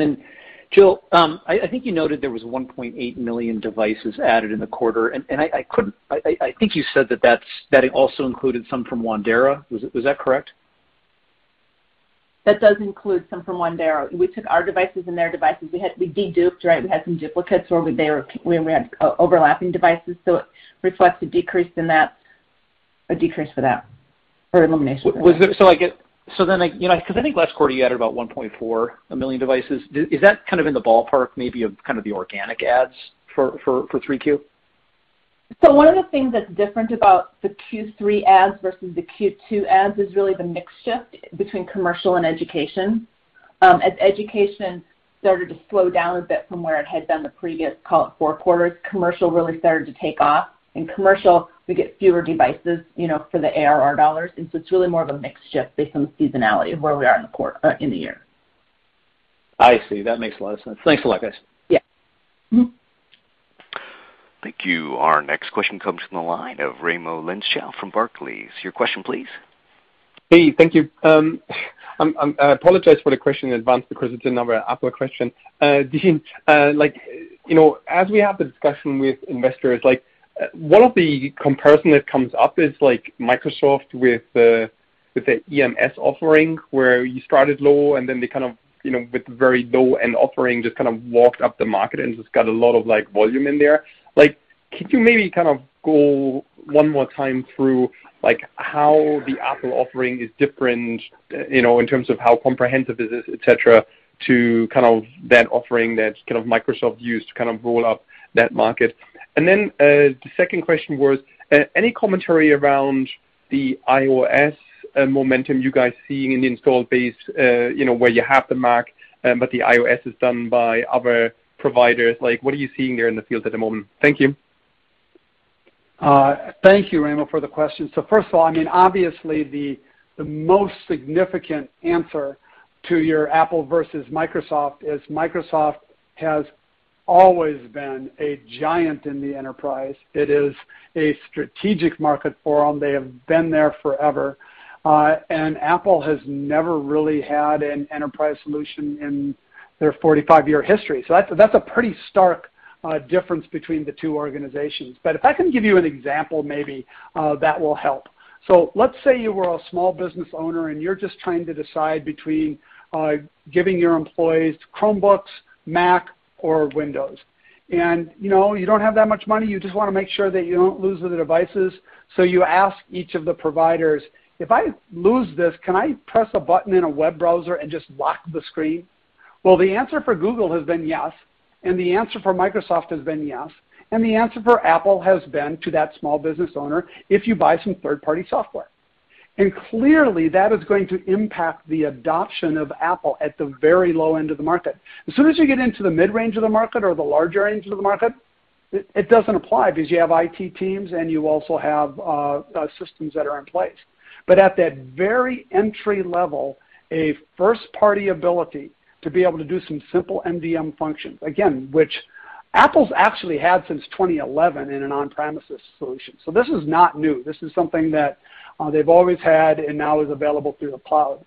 Jill, I think you noted there was 1.8 million devices added in the quarter, and I think you said that it also included some from Wandera. Was that correct? That does include some from Wandera. We took our devices and their devices. We deduped, right? We had some duplicates where we had overlapping devices, so it reflects the decrease in that, a decrease for that or elimination for that. I, you know, 'cause I think last quarter you added about 1.4 million devices. Is that kind of in the ballpark maybe of kind of the organic adds for 3Q? One of the things that's different about the Q3 ACVs versus the Q2 ACVs is really the mix shift between commercial and education. As education started to slow down a bit from where it had been the previous, call it four quarters, commercial really started to take off. In commercial, we get fewer devices, you know, for the ARR dollars, and it's really more of a mix shift based on the seasonality of where we are in the year. I see. That makes a lot of sense. Thanks a lot, guys. Yeah. Mm-hmm. Thank you. Our next question comes from the line of Raimo Lenschow from Barclays. Your question, please. Hey, thank you. I apologize for the question in advance because it's another Apple question. Dean, like, you know, as we have the discussion with investors, like, one of the comparison that comes up is like Microsoft with the, with the EMS offering, where you started low and then they kind of, you know, with very low-end offering, just kind of walked up the market, and it's got a lot of like volume in there. Like, could you maybe kind of go one more time through like how the Apple offering is different, you know, in terms of how comprehensive it is, etc., to kind of that offering that kind of Microsoft used to kind of roll out that market? The second question was any commentary around the iOS momentum you guys see in the installed base, you know, where you have the Mac, but the iOS is done by other providers? Like, what are you seeing there in the field at the moment? Thank you. Thank you, Raimo, for the question. First of all, I mean, obviously the most significant answer to your Apple versus Microsoft is Microsoft has always been a giant in the enterprise. It is a strategic market for them. They have been there forever. Apple has never really had an enterprise solution in their 45-year history. That's a pretty stark difference between the two organizations. If I can give you an example, maybe, that will help. Let's say you were a small business owner and you're just trying to decide between giving your employees Chromebooks, Mac or Windows. You know, you don't have that much money. You just wanna make sure that you don't lose the devices. You ask each of the providers, "If I lose this, can I press a button in a web browser and just lock the screen?" Well, the answer for Google has been yes, and the answer for Microsoft has been yes, and the answer for Apple has been to that small business owner, if you buy some third-party software. Clearly that is going to impact the adoption of Apple at the very low end of the market. As soon as you get into the mid-range of the market or the larger range of the market, it doesn't apply because you have IT teams and you also have systems that are in place. At that very entry-level, a first-party ability to be able to do some simple MDM functions, again, which Apple's actually had since 2011 in an on-premises solution. This is not new. This is something that they've always had and now is available through the cloud.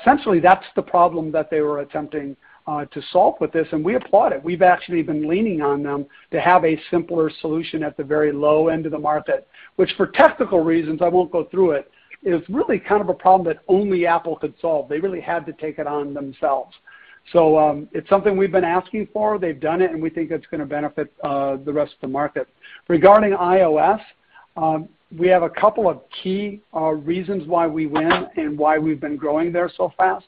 Essentially that's the problem that they were attempting to solve with this, and we applaud it. We've actually been leaning on them to have a simpler solution at the very low end of the market, which for technical reasons I won't go through it, is really kind of a problem that only Apple could solve. They really had to take it on themselves. It's something we've been asking for. They've done it, and we think it's gonna benefit the rest of the market. Regarding iOS, we have a couple of key reasons why we win and why we've been growing there so fast.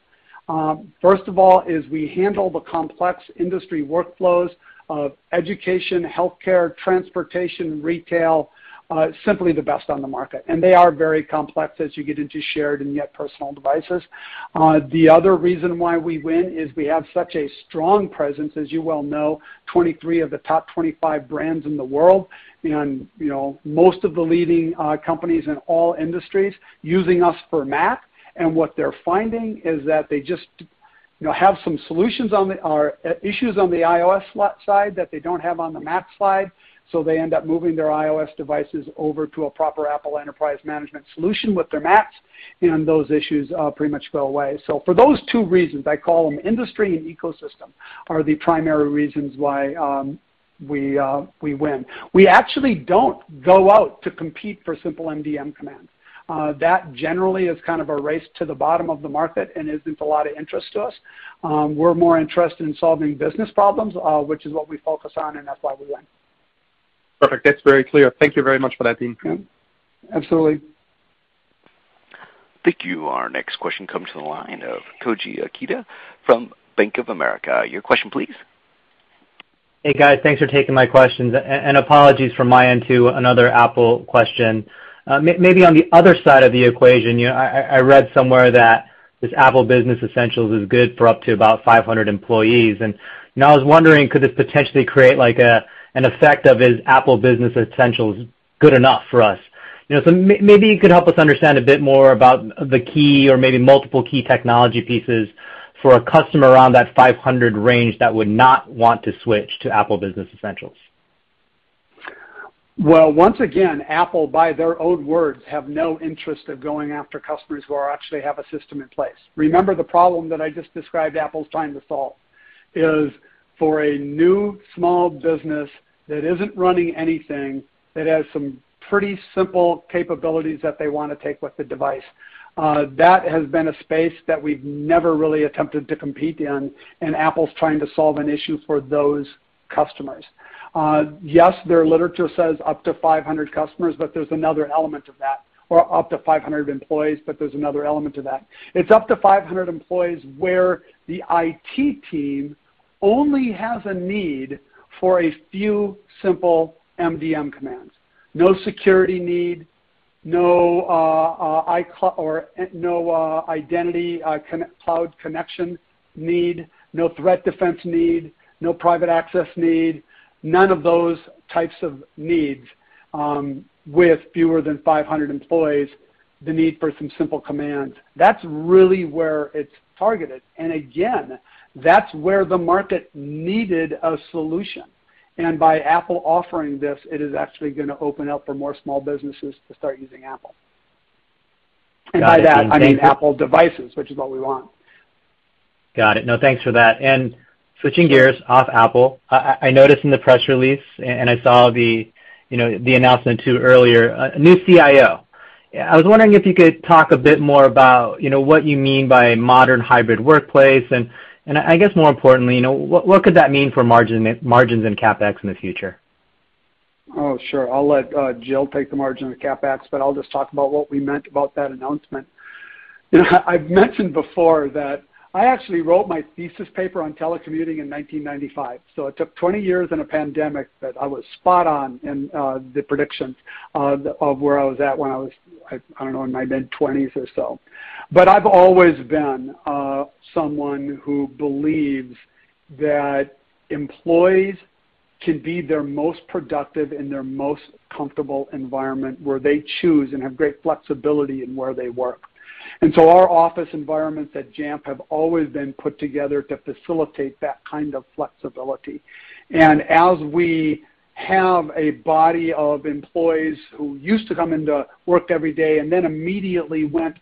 First of all, we handle the complex industry workflows of education, healthcare, transportation, retail simply the best on the market, and they are very complex as you get into shared and yet personal devices. The other reason why we win is we have such a strong presence, as you well know, 23 of the top 25 brands in the world and, you know, most of the leading companies in all industries using us for Mac. What they're finding is that they just, you know, have some solutions or issues on the iOS side that they don't have on the Mac side. They end up moving their iOS devices over to a proper Apple Enterprise Management solution with their Macs, and those issues pretty much go away. For those two reasons, I call them industry and ecosystem, are the primary reasons why we win. We actually don't go out to compete for simple MDM commands. That generally is kind of a race to the bottom of the market and isn't of a lot of interest to us. We're more interested in solving business problems, which is what we focus on, and that's why we win. Perfect. That's very clear. Thank you very much for that, Dean. Yeah. Absolutely. Thank you. Our next question comes from the line of Koji Ikeda from Bank of America. Your question, please. Hey, guys. Thanks for taking my questions. Apologies from my end to another Apple question. Maybe on the other side of the equation, you know, I read somewhere that this Apple Business Essentials is good for up to about 500 employees. I was wondering, could this potentially create like an effect of, is Apple Business Essentials good enough for us? You know, maybe you could help us understand a bit more about the key or maybe multiple key technology pieces for a customer around that 500 range that would not want to switch to Apple Business Essentials. Well, once again, Apple, by their own words, have no interest in going after customers who actually have a system in place. Remember the problem that I just described Apple's trying to solve is for a new small business that isn't running anything, that has some pretty simple capabilities that they wanna take with the device, that has been a space that we've never really attempted to compete in, and Apple's trying to solve an issue for those customers. Yes, their literature says up to 500 customers, but there's another element of that, or up to 500 employees, but there's another element to that. It's up to 500 employees, where the IT team only has a need for a few simple MDM commands. No security need, no iCloud or no identity cloud connection need, no Threat Defense need, no Private Access need. None of those types of needs with fewer than 500 employees, the need for some simple commands. That's really where it's targeted. Again, that's where the market needed a solution. By Apple offering this, it is actually gonna open up for more small businesses to start using Apple. Got it. Thank you. By that, I mean Apple devices, which is what we want. Got it. No, thanks for that. Switching gears off Apple, I noticed in the press release, and I saw the, you know, the announcement earlier,a new Chief Information Officer. I was wondering if you could talk a bit more about, you know, what you mean by modern hybrid workplace. I guess more importantly, you know, what could that mean for margins and CapEx in the future? Oh, sure. I'll let Jill take the margin and the CapEx, but I'll just talk about what we meant about that announcement. You know, I've mentioned before that I actually wrote my thesis paper on telecommuting in 1995. It took 20 years and a pandemic, but I was spot on in the predictions of where I was at when I was, I don't know, in my mid-20s or so. I've always been someone who believes that employees can be their most productive in their most comfortable environment, where they choose and have great flexibility in where they work. Our office environments at Jamf have always been put together to facilitate that kind of flexibility. As we have a body of employees who used to come into work every day and then immediately went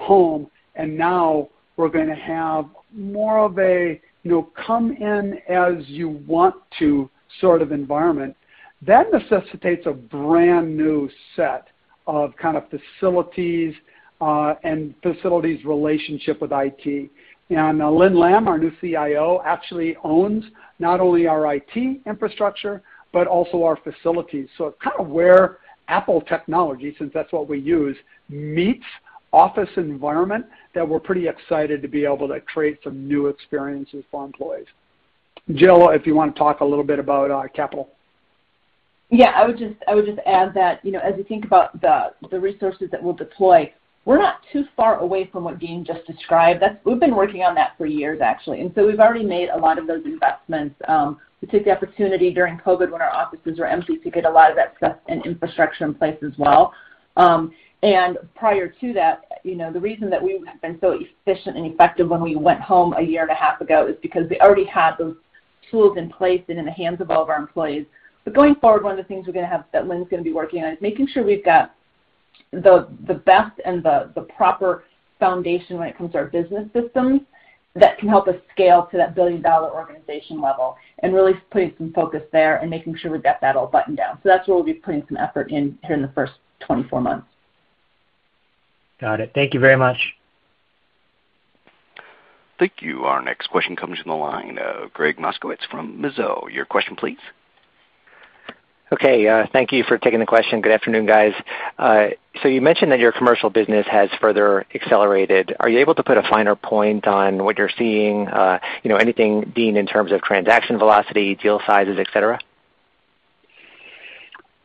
home, and now we're gonna have more of a, you know, come in as you want to sort of environment, that necessitates a brand new set of kind of facilities, and facilities' relationship with IT. Linh Lam, our new Chief Information Officer, actually owns not only our IT infrastructure, but also our facilities. Kind of where Apple technology, since that's what we use, meets office environment, that we're pretty excited to be able to create some new experiences for employees. Jill, if you wanna talk a little bit about capital. Yeah, I would just add that, you know, as you think about the resources that we'll deploy, we're not too far away from what Dean just described. That's. We've been working on that for years, actually, and so we've already made a lot of those investments. We took the opportunity during COVID when our offices were empty to get a lot of that stuff and infrastructure in place as well. Prior to that, you know, the reason that we have been so efficient and effective when we went home a year and a half ago is because we already had those tools in place and in the hands of all of our employees. Going forward, one of the things we're gonna have, that Linh's gonna be working on is making sure we've got the best and the proper foundation when it comes to our business systems that can help us scale to that billion-dollar organization level and really putting some focus there and making sure we've got that all buttoned down. That's where we'll be putting some effort in here in the first 24 months. Got it. Thank you very much. Thank you. Our next question comes from the line of Gregg Moskowitz from Mizuho. Your question please. Thank you for taking the question. Good afternoon, guys. You mentioned that your commercial business has further accelerated. Are you able to put a finer point on what you're seeing, you know, anything, Dean, in terms of transaction velocity, deal sizes, etc.?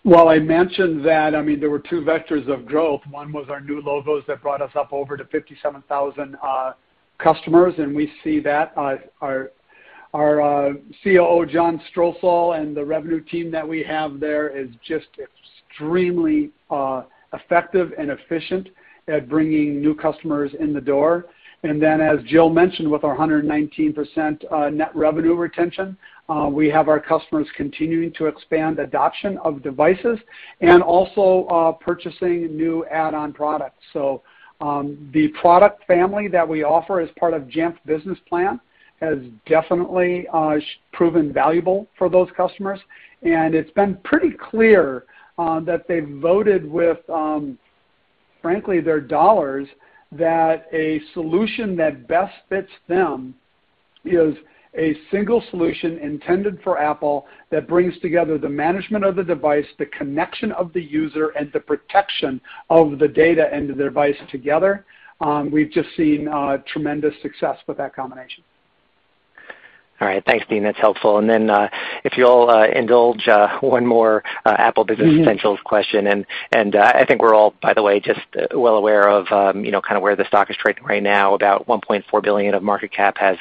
Well, I mentioned that, I mean, there were two vectors of growth. One was our new logos that brought us up over to 57,000 customers, and we see that. Our Chief Operating Officer, John Strosahl, and the revenue team that we have there is just extremely effective and efficient at bringing new customers in the door. Then, as Jill mentioned, with our 119% net revenue retention, we have our customers continuing to expand adoption of devices and also purchasing new add-on products. The product family that we offer as part of Jamf Business Plan has definitely proven valuable for those customers. It's been pretty clear that they voted with, frankly, their dollars that a solution that best fits them is a single solution intended for Apple that brings together the management of the device, the connection of the user, and the protection of the data and the device together. We've just seen tremendous success with that combination. All right. Thanks, Dean. That's helpful. If you'll indulge one more Apple Business Essentials question. Mm-hmm. I think we're all, by the way, just well aware of you know, kind of where the stock is trading right now. About $1.4 billion of market cap has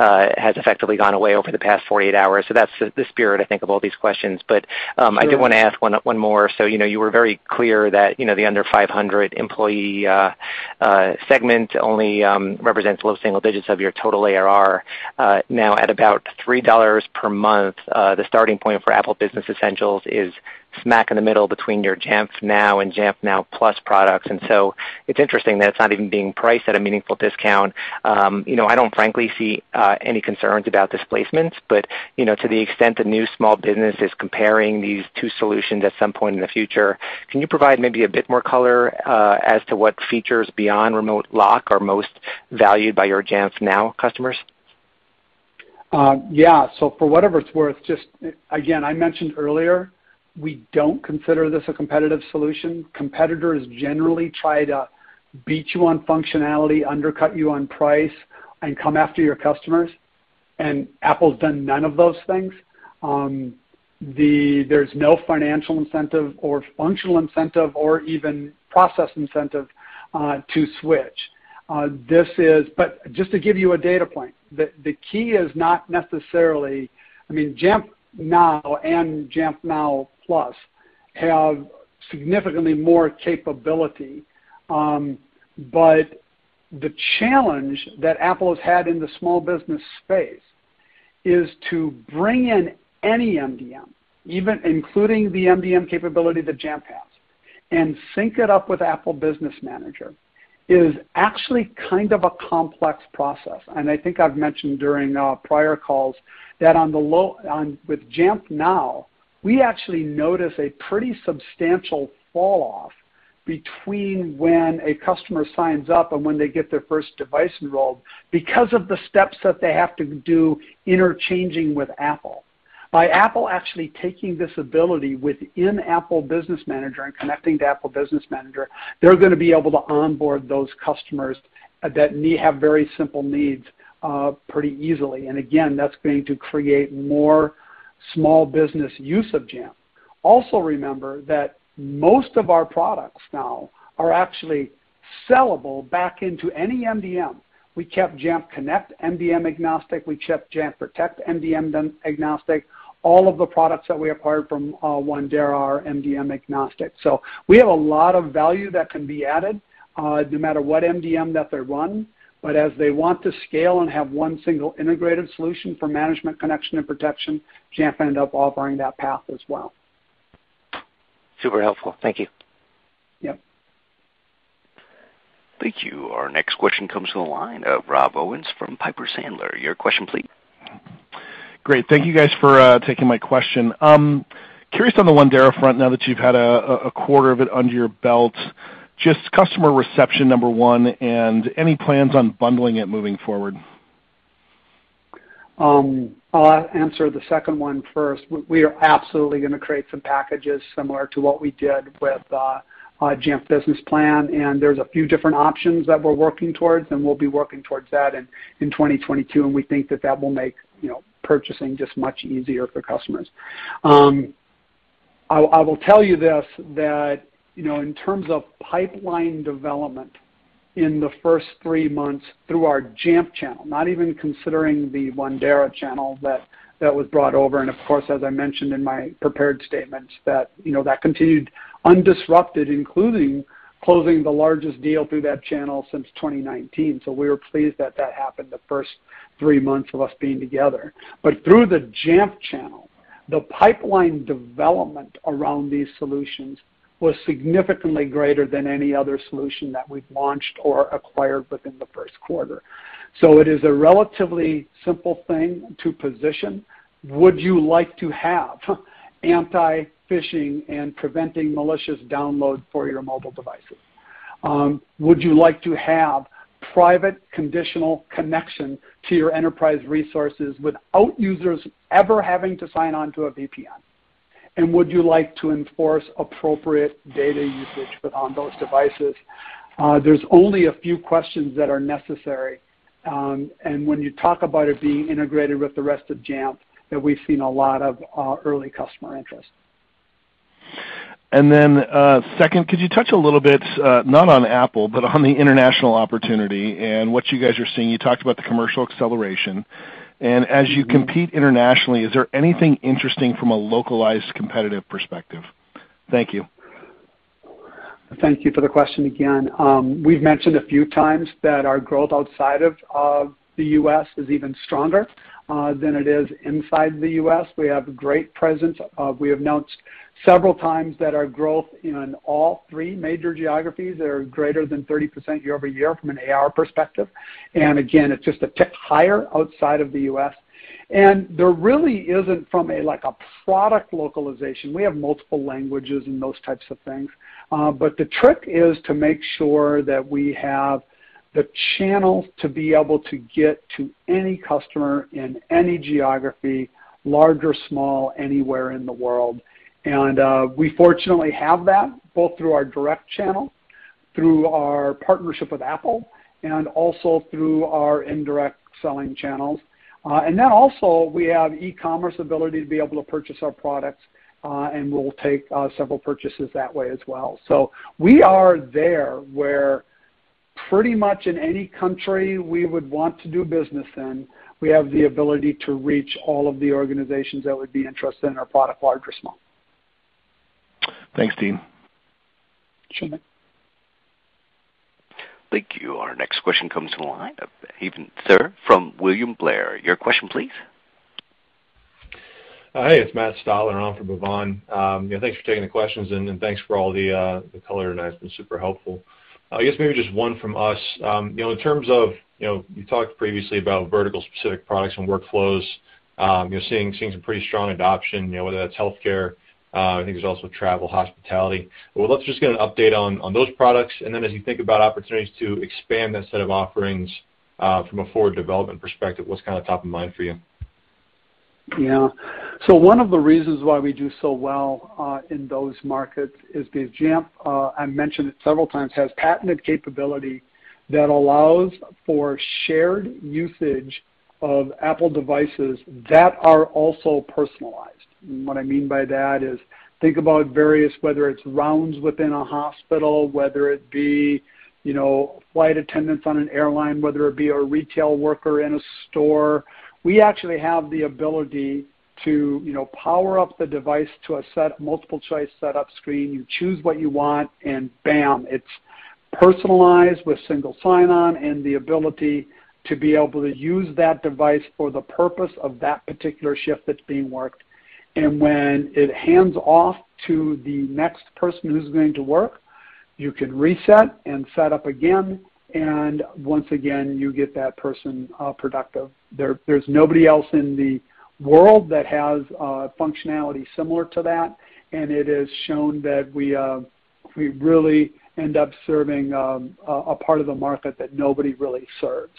effectively gone away over the past 48 hours. That's the spirit, I think, of all these questions. Sure. I do wanna ask one more. You know, you were very clear that, you know, the under 500 employee segment only represents low single digits of your total ARR. Now at about $3 per month, the starting point for Apple Business Essentials is smack in the middle between your Jamf Now and Jamf Now Plus products. It's interesting that it's not even being priced at a meaningful discount. You know, I don't frankly see any concerns about displacements, but, you know, to the extent a new small business is comparing these two solutions at some point in the future, can you provide maybe a bit more color as to what features beyond Remote Lock are most valued by your Jamf Now customers? Yeah. For whatever it's worth, just, again, I mentioned earlier, we don't consider this a competitive solution. Competitors generally try to beat you on functionality, undercut you on price, and come after your customers, and Apple's done none of those things. There's no financial incentive or functional incentive or even process incentive to switch. Just to give you a data point, the key is not necessarily I mean, Jamf Now and Jamf Now Plus have significantly more capability. The challenge that Apple has had in the small business space is to bring in any MDM, even including the MDM capability that Jamf has, and sync it up with Apple Business Manager, is actually kind of a complex process. I think I've mentioned during prior calls that on the low end with Jamf Now, we actually notice a pretty substantial falloff between when a customer signs up and when they get their first device enrolled because of the steps that they have to do interacting with Apple. By Apple actually taking this ability within Apple Business Manager and connecting to Apple Business Manager, they're gonna be able to onboard those customers that have very simple needs, pretty easily. Again, that's going to create more small business use of Jamf. Also remember that most of our products now are actually sellable back into any MDM. We kept Jamf Connect MDM agnostic. We kept Jamf Protect MDM agnostic. All of the products that we acquired from Wandera are MDM agnostic. We have a lot of value that can be added, no matter what MDM that they run. As they want to scale and have one single integrated solution for management, connection, and protection, Jamf ended up offering that path as well. Super helpful. Thank you. Yep. Thank you. Our next question comes from the line of Rob Owens from Piper Sandler. Your question, please. Great. Thank you guys for taking my question. Curious on the Wandera front, now that you've had a quarter of it under your belt, just customer reception, number one, and any plans on bundling it moving forward? I'll answer the second one first. We are absolutely gonna create some packages similar to what we did with Jamf Business plan, and there's a few different options that we're working towards, and we'll be working towards that in 2022, and we think that will make, you know, purchasing just much easier for customers. I will tell you this, that, you know, in terms of pipeline development in the first three months through our Jamf Channel, not even considering the Wandera Channel that was brought over, and of course, as I mentioned in my prepared statements, that continued undisrupted, including closing the largest deal through that channel since 2019. We were pleased that happened the first three months of us being together. Through the Jamf Channel, the pipeline development around these solutions was significantly greater than any other solution that we've launched or acquired within the first quarter. It is a relatively simple thing to position. Would you like to have anti-phishing and preventing malicious download for your mobile devices? Would you like to have private conditional connection to your enterprise resources without users ever having to sign on to a VPN? And would you like to enforce appropriate data usage on those devices? There's only a few questions that are necessary, and when you talk about it being integrated with the rest of Jamf, we've seen a lot of early customer interest. Then, second, could you touch a little bit, not on Apple, but on the international opportunity and what you guys are seeing? You talked about the commercial acceleration. As you compete internationally, is there anything interesting from a localized competitive perspective? Thank you. Thank you for the question again. We've mentioned a few times that our growth outside of the U.S. is even stronger than it is inside the U.S. We have great presence. We have announced several times that our growth in all three major geographies are greater than 30% year-over-year from an ARR perspective. Again, it's just a tick higher outside of the U.S. There really isn't from a, like, product localization. We have multiple languages and those types of things. The trick is to make sure that we have the channels to be able to get to any customer in any geography, large or small, anywhere in the world. We fortunately have that both through our direct channel, through our partnership with Apple, and also through our indirect selling channels. We have e-commerce ability to be able to purchase our products, and we'll take several purchases that way as well. We are there, we're pretty much in any country we would want to do business in, we have the ability to reach all of the organizations that would be interested in our product, large or small. Thanks, Dean. Sure, Rob. Thank you. Our next question comes from the line of Matt Stotler from William Blair. Your question please. Hey. It's Matt Stotler, and I'm from William Blair. You know, thanks for taking the questions, and thanks for all the color tonight. It's been super helpful. I guess maybe just one from us. You know, in terms of, you know, you talked previously about vertical specific products and workflows. You're seeing some pretty strong adoption, you know, whether that's healthcare. I think there's also travel, hospitality. Well, let's just get an update on those products, and then as you think about opportunities to expand that set of offerings, from a forward development perspective, what's kinda top of mind for you? Yeah. One of the reasons why we do so well in those markets is the Jamf I mentioned it several times has patented capability that allows for shared usage of Apple devices that are also personalized. What I mean by that is think about various, whether it's rounds within a hospital, whether it be, you know, flight attendants on an airline, whether it be a retail worker in a store. We actually have the ability to, you know, power up the device to a set multiple choice setup screen, you choose what you want, and bam, it's personalized with single sign-on and the ability to be able to use that device for the purpose of that particular shift that's being worked. When it hands off to the next person who's going to work, you can reset and set up again, and once again, you get that person productive. There's nobody else in the world that has functionality similar to that, and it has shown that we really end up serving a part of the market that nobody really serves.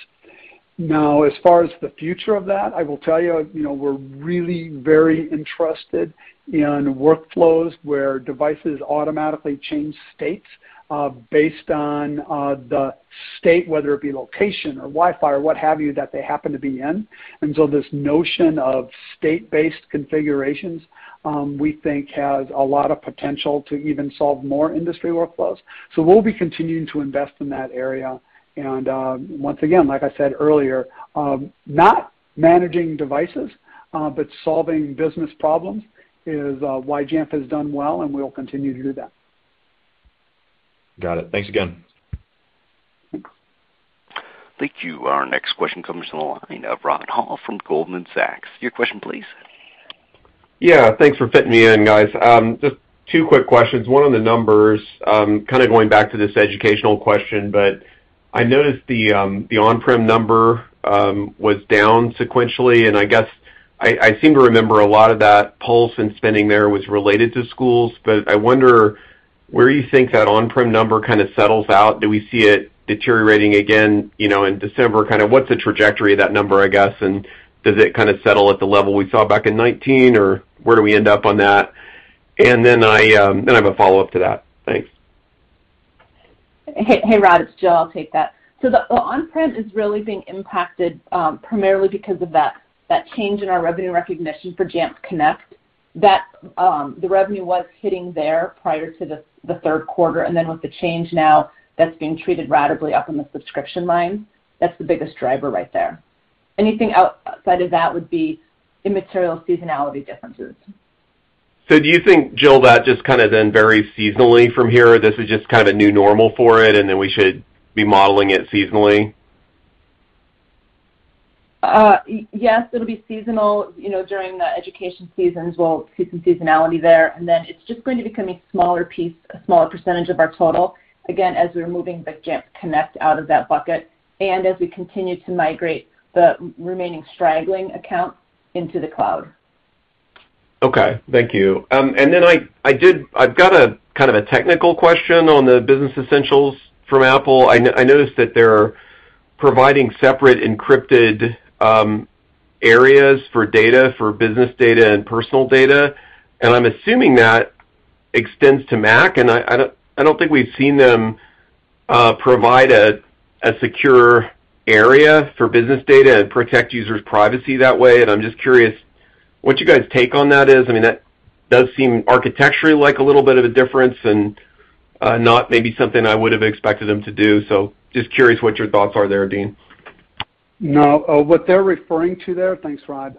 Now, as far as the future of that, I will tell you know, we're really very interested in workflows where devices automatically change states based on the state, whether it be location or Wi-Fi or what have you, that they happen to be in. This notion of state-based configurations we think has a lot of potential to even solve more industry workflows. We'll be continuing to invest in that area. Once again, like I said earlier, not managing devices, but solving business problems is why Jamf has done well, and we'll continue to do that. Got it. Thanks again. Thank you. Our next question comes from the line of Rod Hall from Goldman Sachs. Your question please. Yeah. Thanks for fitting me in, guys. Just two quick questions. One on the numbers, kinda going back to this educational question, but I noticed the on-prem number was down sequentially, and I guess I seem to remember a lot of that pulse in spending there was related to schools. I wonder where you think that on-prem number kinda settles out. Do we see it deteriorating again, you know, in December? Kinda what's the trajectory of that number, I guess, and does it kinda settle at the level we saw back in 2019 or where do we end up on that? I have a follow-up to that. Thanks. Hey, Rod, it's Jill. I'll take that. The on-prem is really being impacted primarily because of that change in our revenue recognition for Jamf Connect. The revenue was hitting there prior to the third quarter, and then with the change now, that's being treated ratably up in the subscription line. That's the biggest driver right there. Anything outside of that would be immaterial seasonality differences. Do you think, Jill, that just kinda then varies seasonally from here? This is just kind of a new normal for it, and then we should be modeling it seasonally? Yes, it'll be seasonal, you know, during the education seasons, we'll see some seasonality there. Then it's just going to become a smaller piece, a smaller percentage of our total, again, as we're moving the Jamf Connect out of that bucket and as we continue to migrate the remaining straggling accounts into the cloud. Okay. Thank you. I've got a kind of a technical question on Apple Business Essentials. I noticed that they're providing separate encrypted areas for data, for business data and personal data, and I'm assuming that extends to Mac. I don't think we've seen them provide a secure area for business data and protect users' privacy that way. I'm just curious what you guys take on that is. I mean, that does seem architecturally like a little bit of a difference and not maybe something I would have expected them to do. Just curious what your thoughts are there, Dean. No. What they're referring to there, thanks, Rod,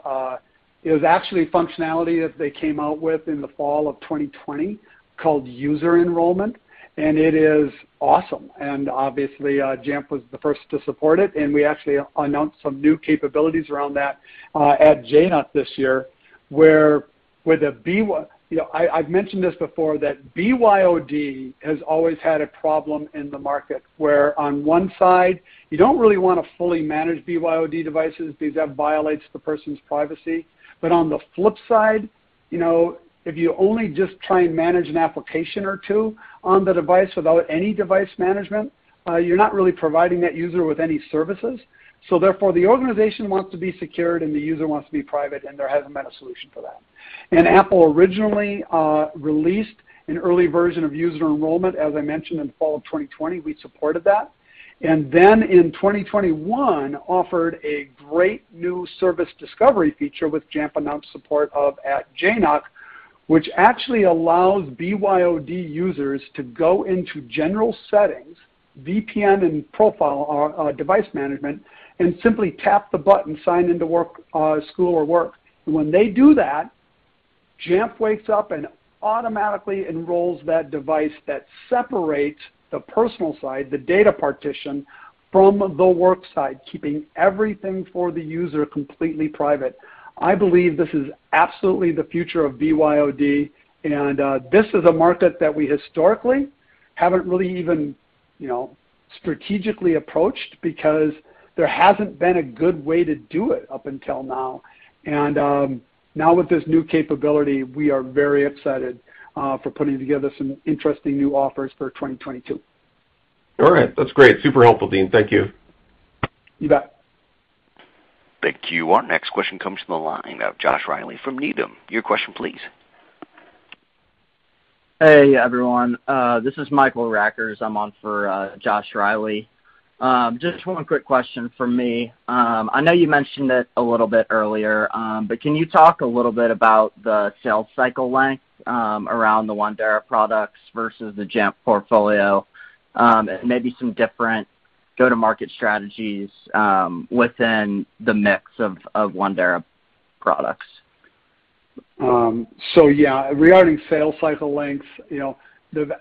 is actually functionality that they came out with in the fall of 2020 called User Enrollment, and it is awesome. Obviously, Jamf was the first to support it, and we actually announced some new capabilities around that at JNUC this year, where You know, I've mentioned this before that BYOD has always had a problem in the market. Where on one side, you don't really wanna fully manage BYOD devices because that violates the person's privacy. On the flip side, you know, if you only just try and manage an application or two on the device without any device management, you're not really providing that user with any services. Therefore, the organization wants to be secured and the user wants to be private, and there hasn't been a solution for that. Apple originally released an early version of User Enrollment, as I mentioned, in the fall of 2020. We supported that. Then in 2021, offered a great new service discovery feature, which Jamf announced support of at JNUC, which actually allows BYOD users to go into general settings, VPN & Device Management, and simply tap the button, Sign in to Work or School. When they do that, Jamf wakes up and automatically enrolls that device, that separates the personal side, the data partition, from the work side, keeping everything for the user completely private. I believe this is absolutely the future of BYOD, and this is a market that we historically haven't really even, you know, strategically approached because there hasn't been a good way to do it up until now. Now with this new capability, we are very excited for putting together some interesting new offers for 2022. All right. That's great. Super helpful, Dean. Thank you. You bet. Thank you. Our next question comes from the line of Josh Reilly from Needham. Your question, please. Hey, everyone. This is Michael Rackers. I'm on for Josh Reilly. Just one quick question from me. I know you mentioned it a little bit earlier, but can you talk a little bit about the sales cycle length around the Wandera products versus the Jamf portfolio, and maybe some different go-to-market strategies within the mix of Wandera products? Yeah, regarding sales cycle lengths, you know,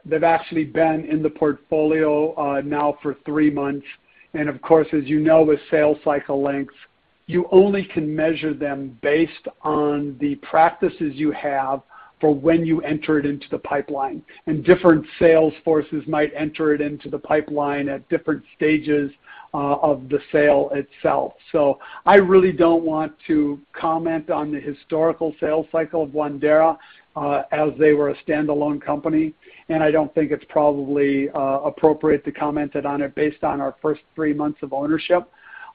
they've actually been in the portfolio now for three months. Of course, as you know, with sales cycle lengths, you only can measure them based on the practices you have for when you enter it into the pipeline. Different sales forces might enter it into the pipeline at different stages of the sale itself. I really don't want to comment on the historical sales cycle of Wandera as they were a standalone company, and I don't think it's probably appropriate to comment on it based on our first three months of ownership.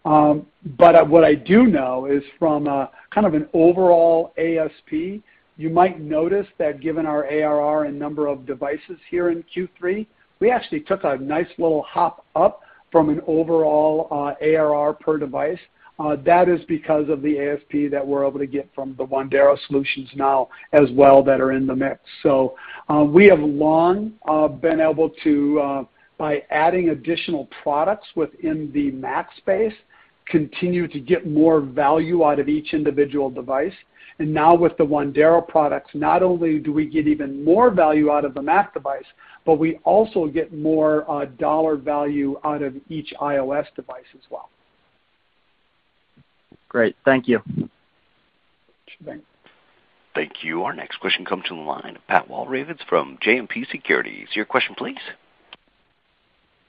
What I do know is from kind of an overall ASP, you might notice that given our ARR and number of devices here in Q3, we actually took a nice little hop up from an overall ARR per device. That is because of the ASP that we're able to get from the Wandera solutions now as well that are in the mix. We have long been able to, by adding additional products within the Mac space, continue to get more value out of each individual device. Now with the Wandera products, not only do we get even more value out of the Mac device, but we also get more dollar value out of each iOS device as well. Great. Thank you. Sure thing. Thank you. Our next question comes from the line of Pat Walravens from JMP Securities. Your question please.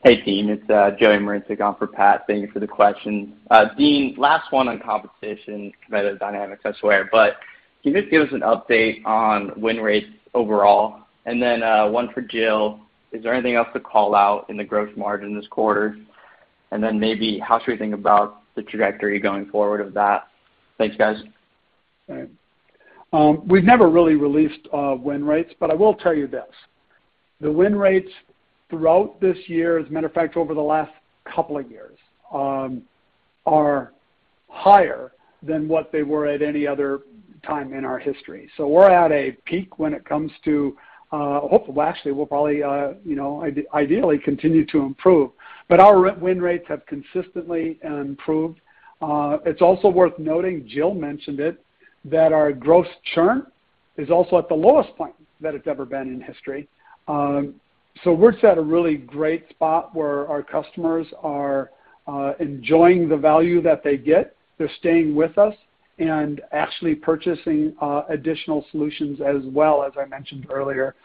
Hey, Dean. It's Joey Marincek on for Pat. Thank you for the question. Dean, last one on compensation competitive dynamics, I swear. Can you just give us an update on win rates overall? One for Jill, is there anything else to call out in the gross margin this quarter? Maybe how should we think about the trajectory going forward of that? Thanks, guys. All right. We've never really released win rates, but I will tell you this. The win rates throughout this year, as a matter of fact, over the last couple of years, are higher than what they were at any other time in our history. We're at a peak when it comes to, hopefully, well, actually, we'll probably, you know, ideally continue to improve. Our win rates have consistently improved. It's also worth noting, Jill mentioned it, that our gross churn is also at the lowest point that it's ever been in history. We're just at a really great spot where our customers are enjoying the value that they get. They're staying with us and actually purchasing additional solutions as well, as I mentioned earlier.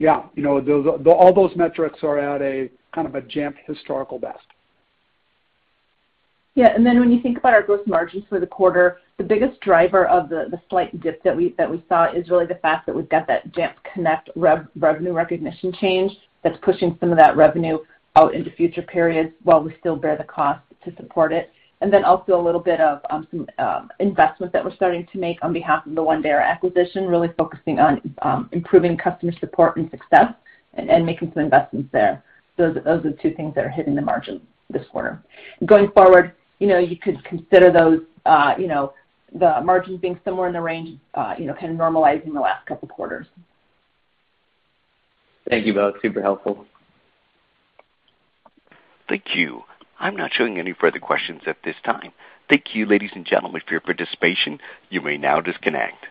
Yeah, you know, all those metrics are at a kind of a Jamf historical best. Yeah. When you think about our gross margins for the quarter, the biggest driver of the slight dip that we saw is really the fact that we've got that Jamf Connect revenue recognition change that's pushing some of that revenue out into future periods while we still bear the cost to support it. Then also a little bit of some investment that we're starting to make on behalf of the Wandera acquisition, really focusing on improving customer support and success and making some investments there. Those are two things that are hitting the margins this quarter. Going forward, you know, you could consider those, you know, the margins being somewhere in the range, you know, kind of normalizing the last couple quarters. Thank you both. Super helpful. Thank you. I'm not showing any further questions at this time. Thank you, ladies and gentlemen, for your participation. You may now disconnect.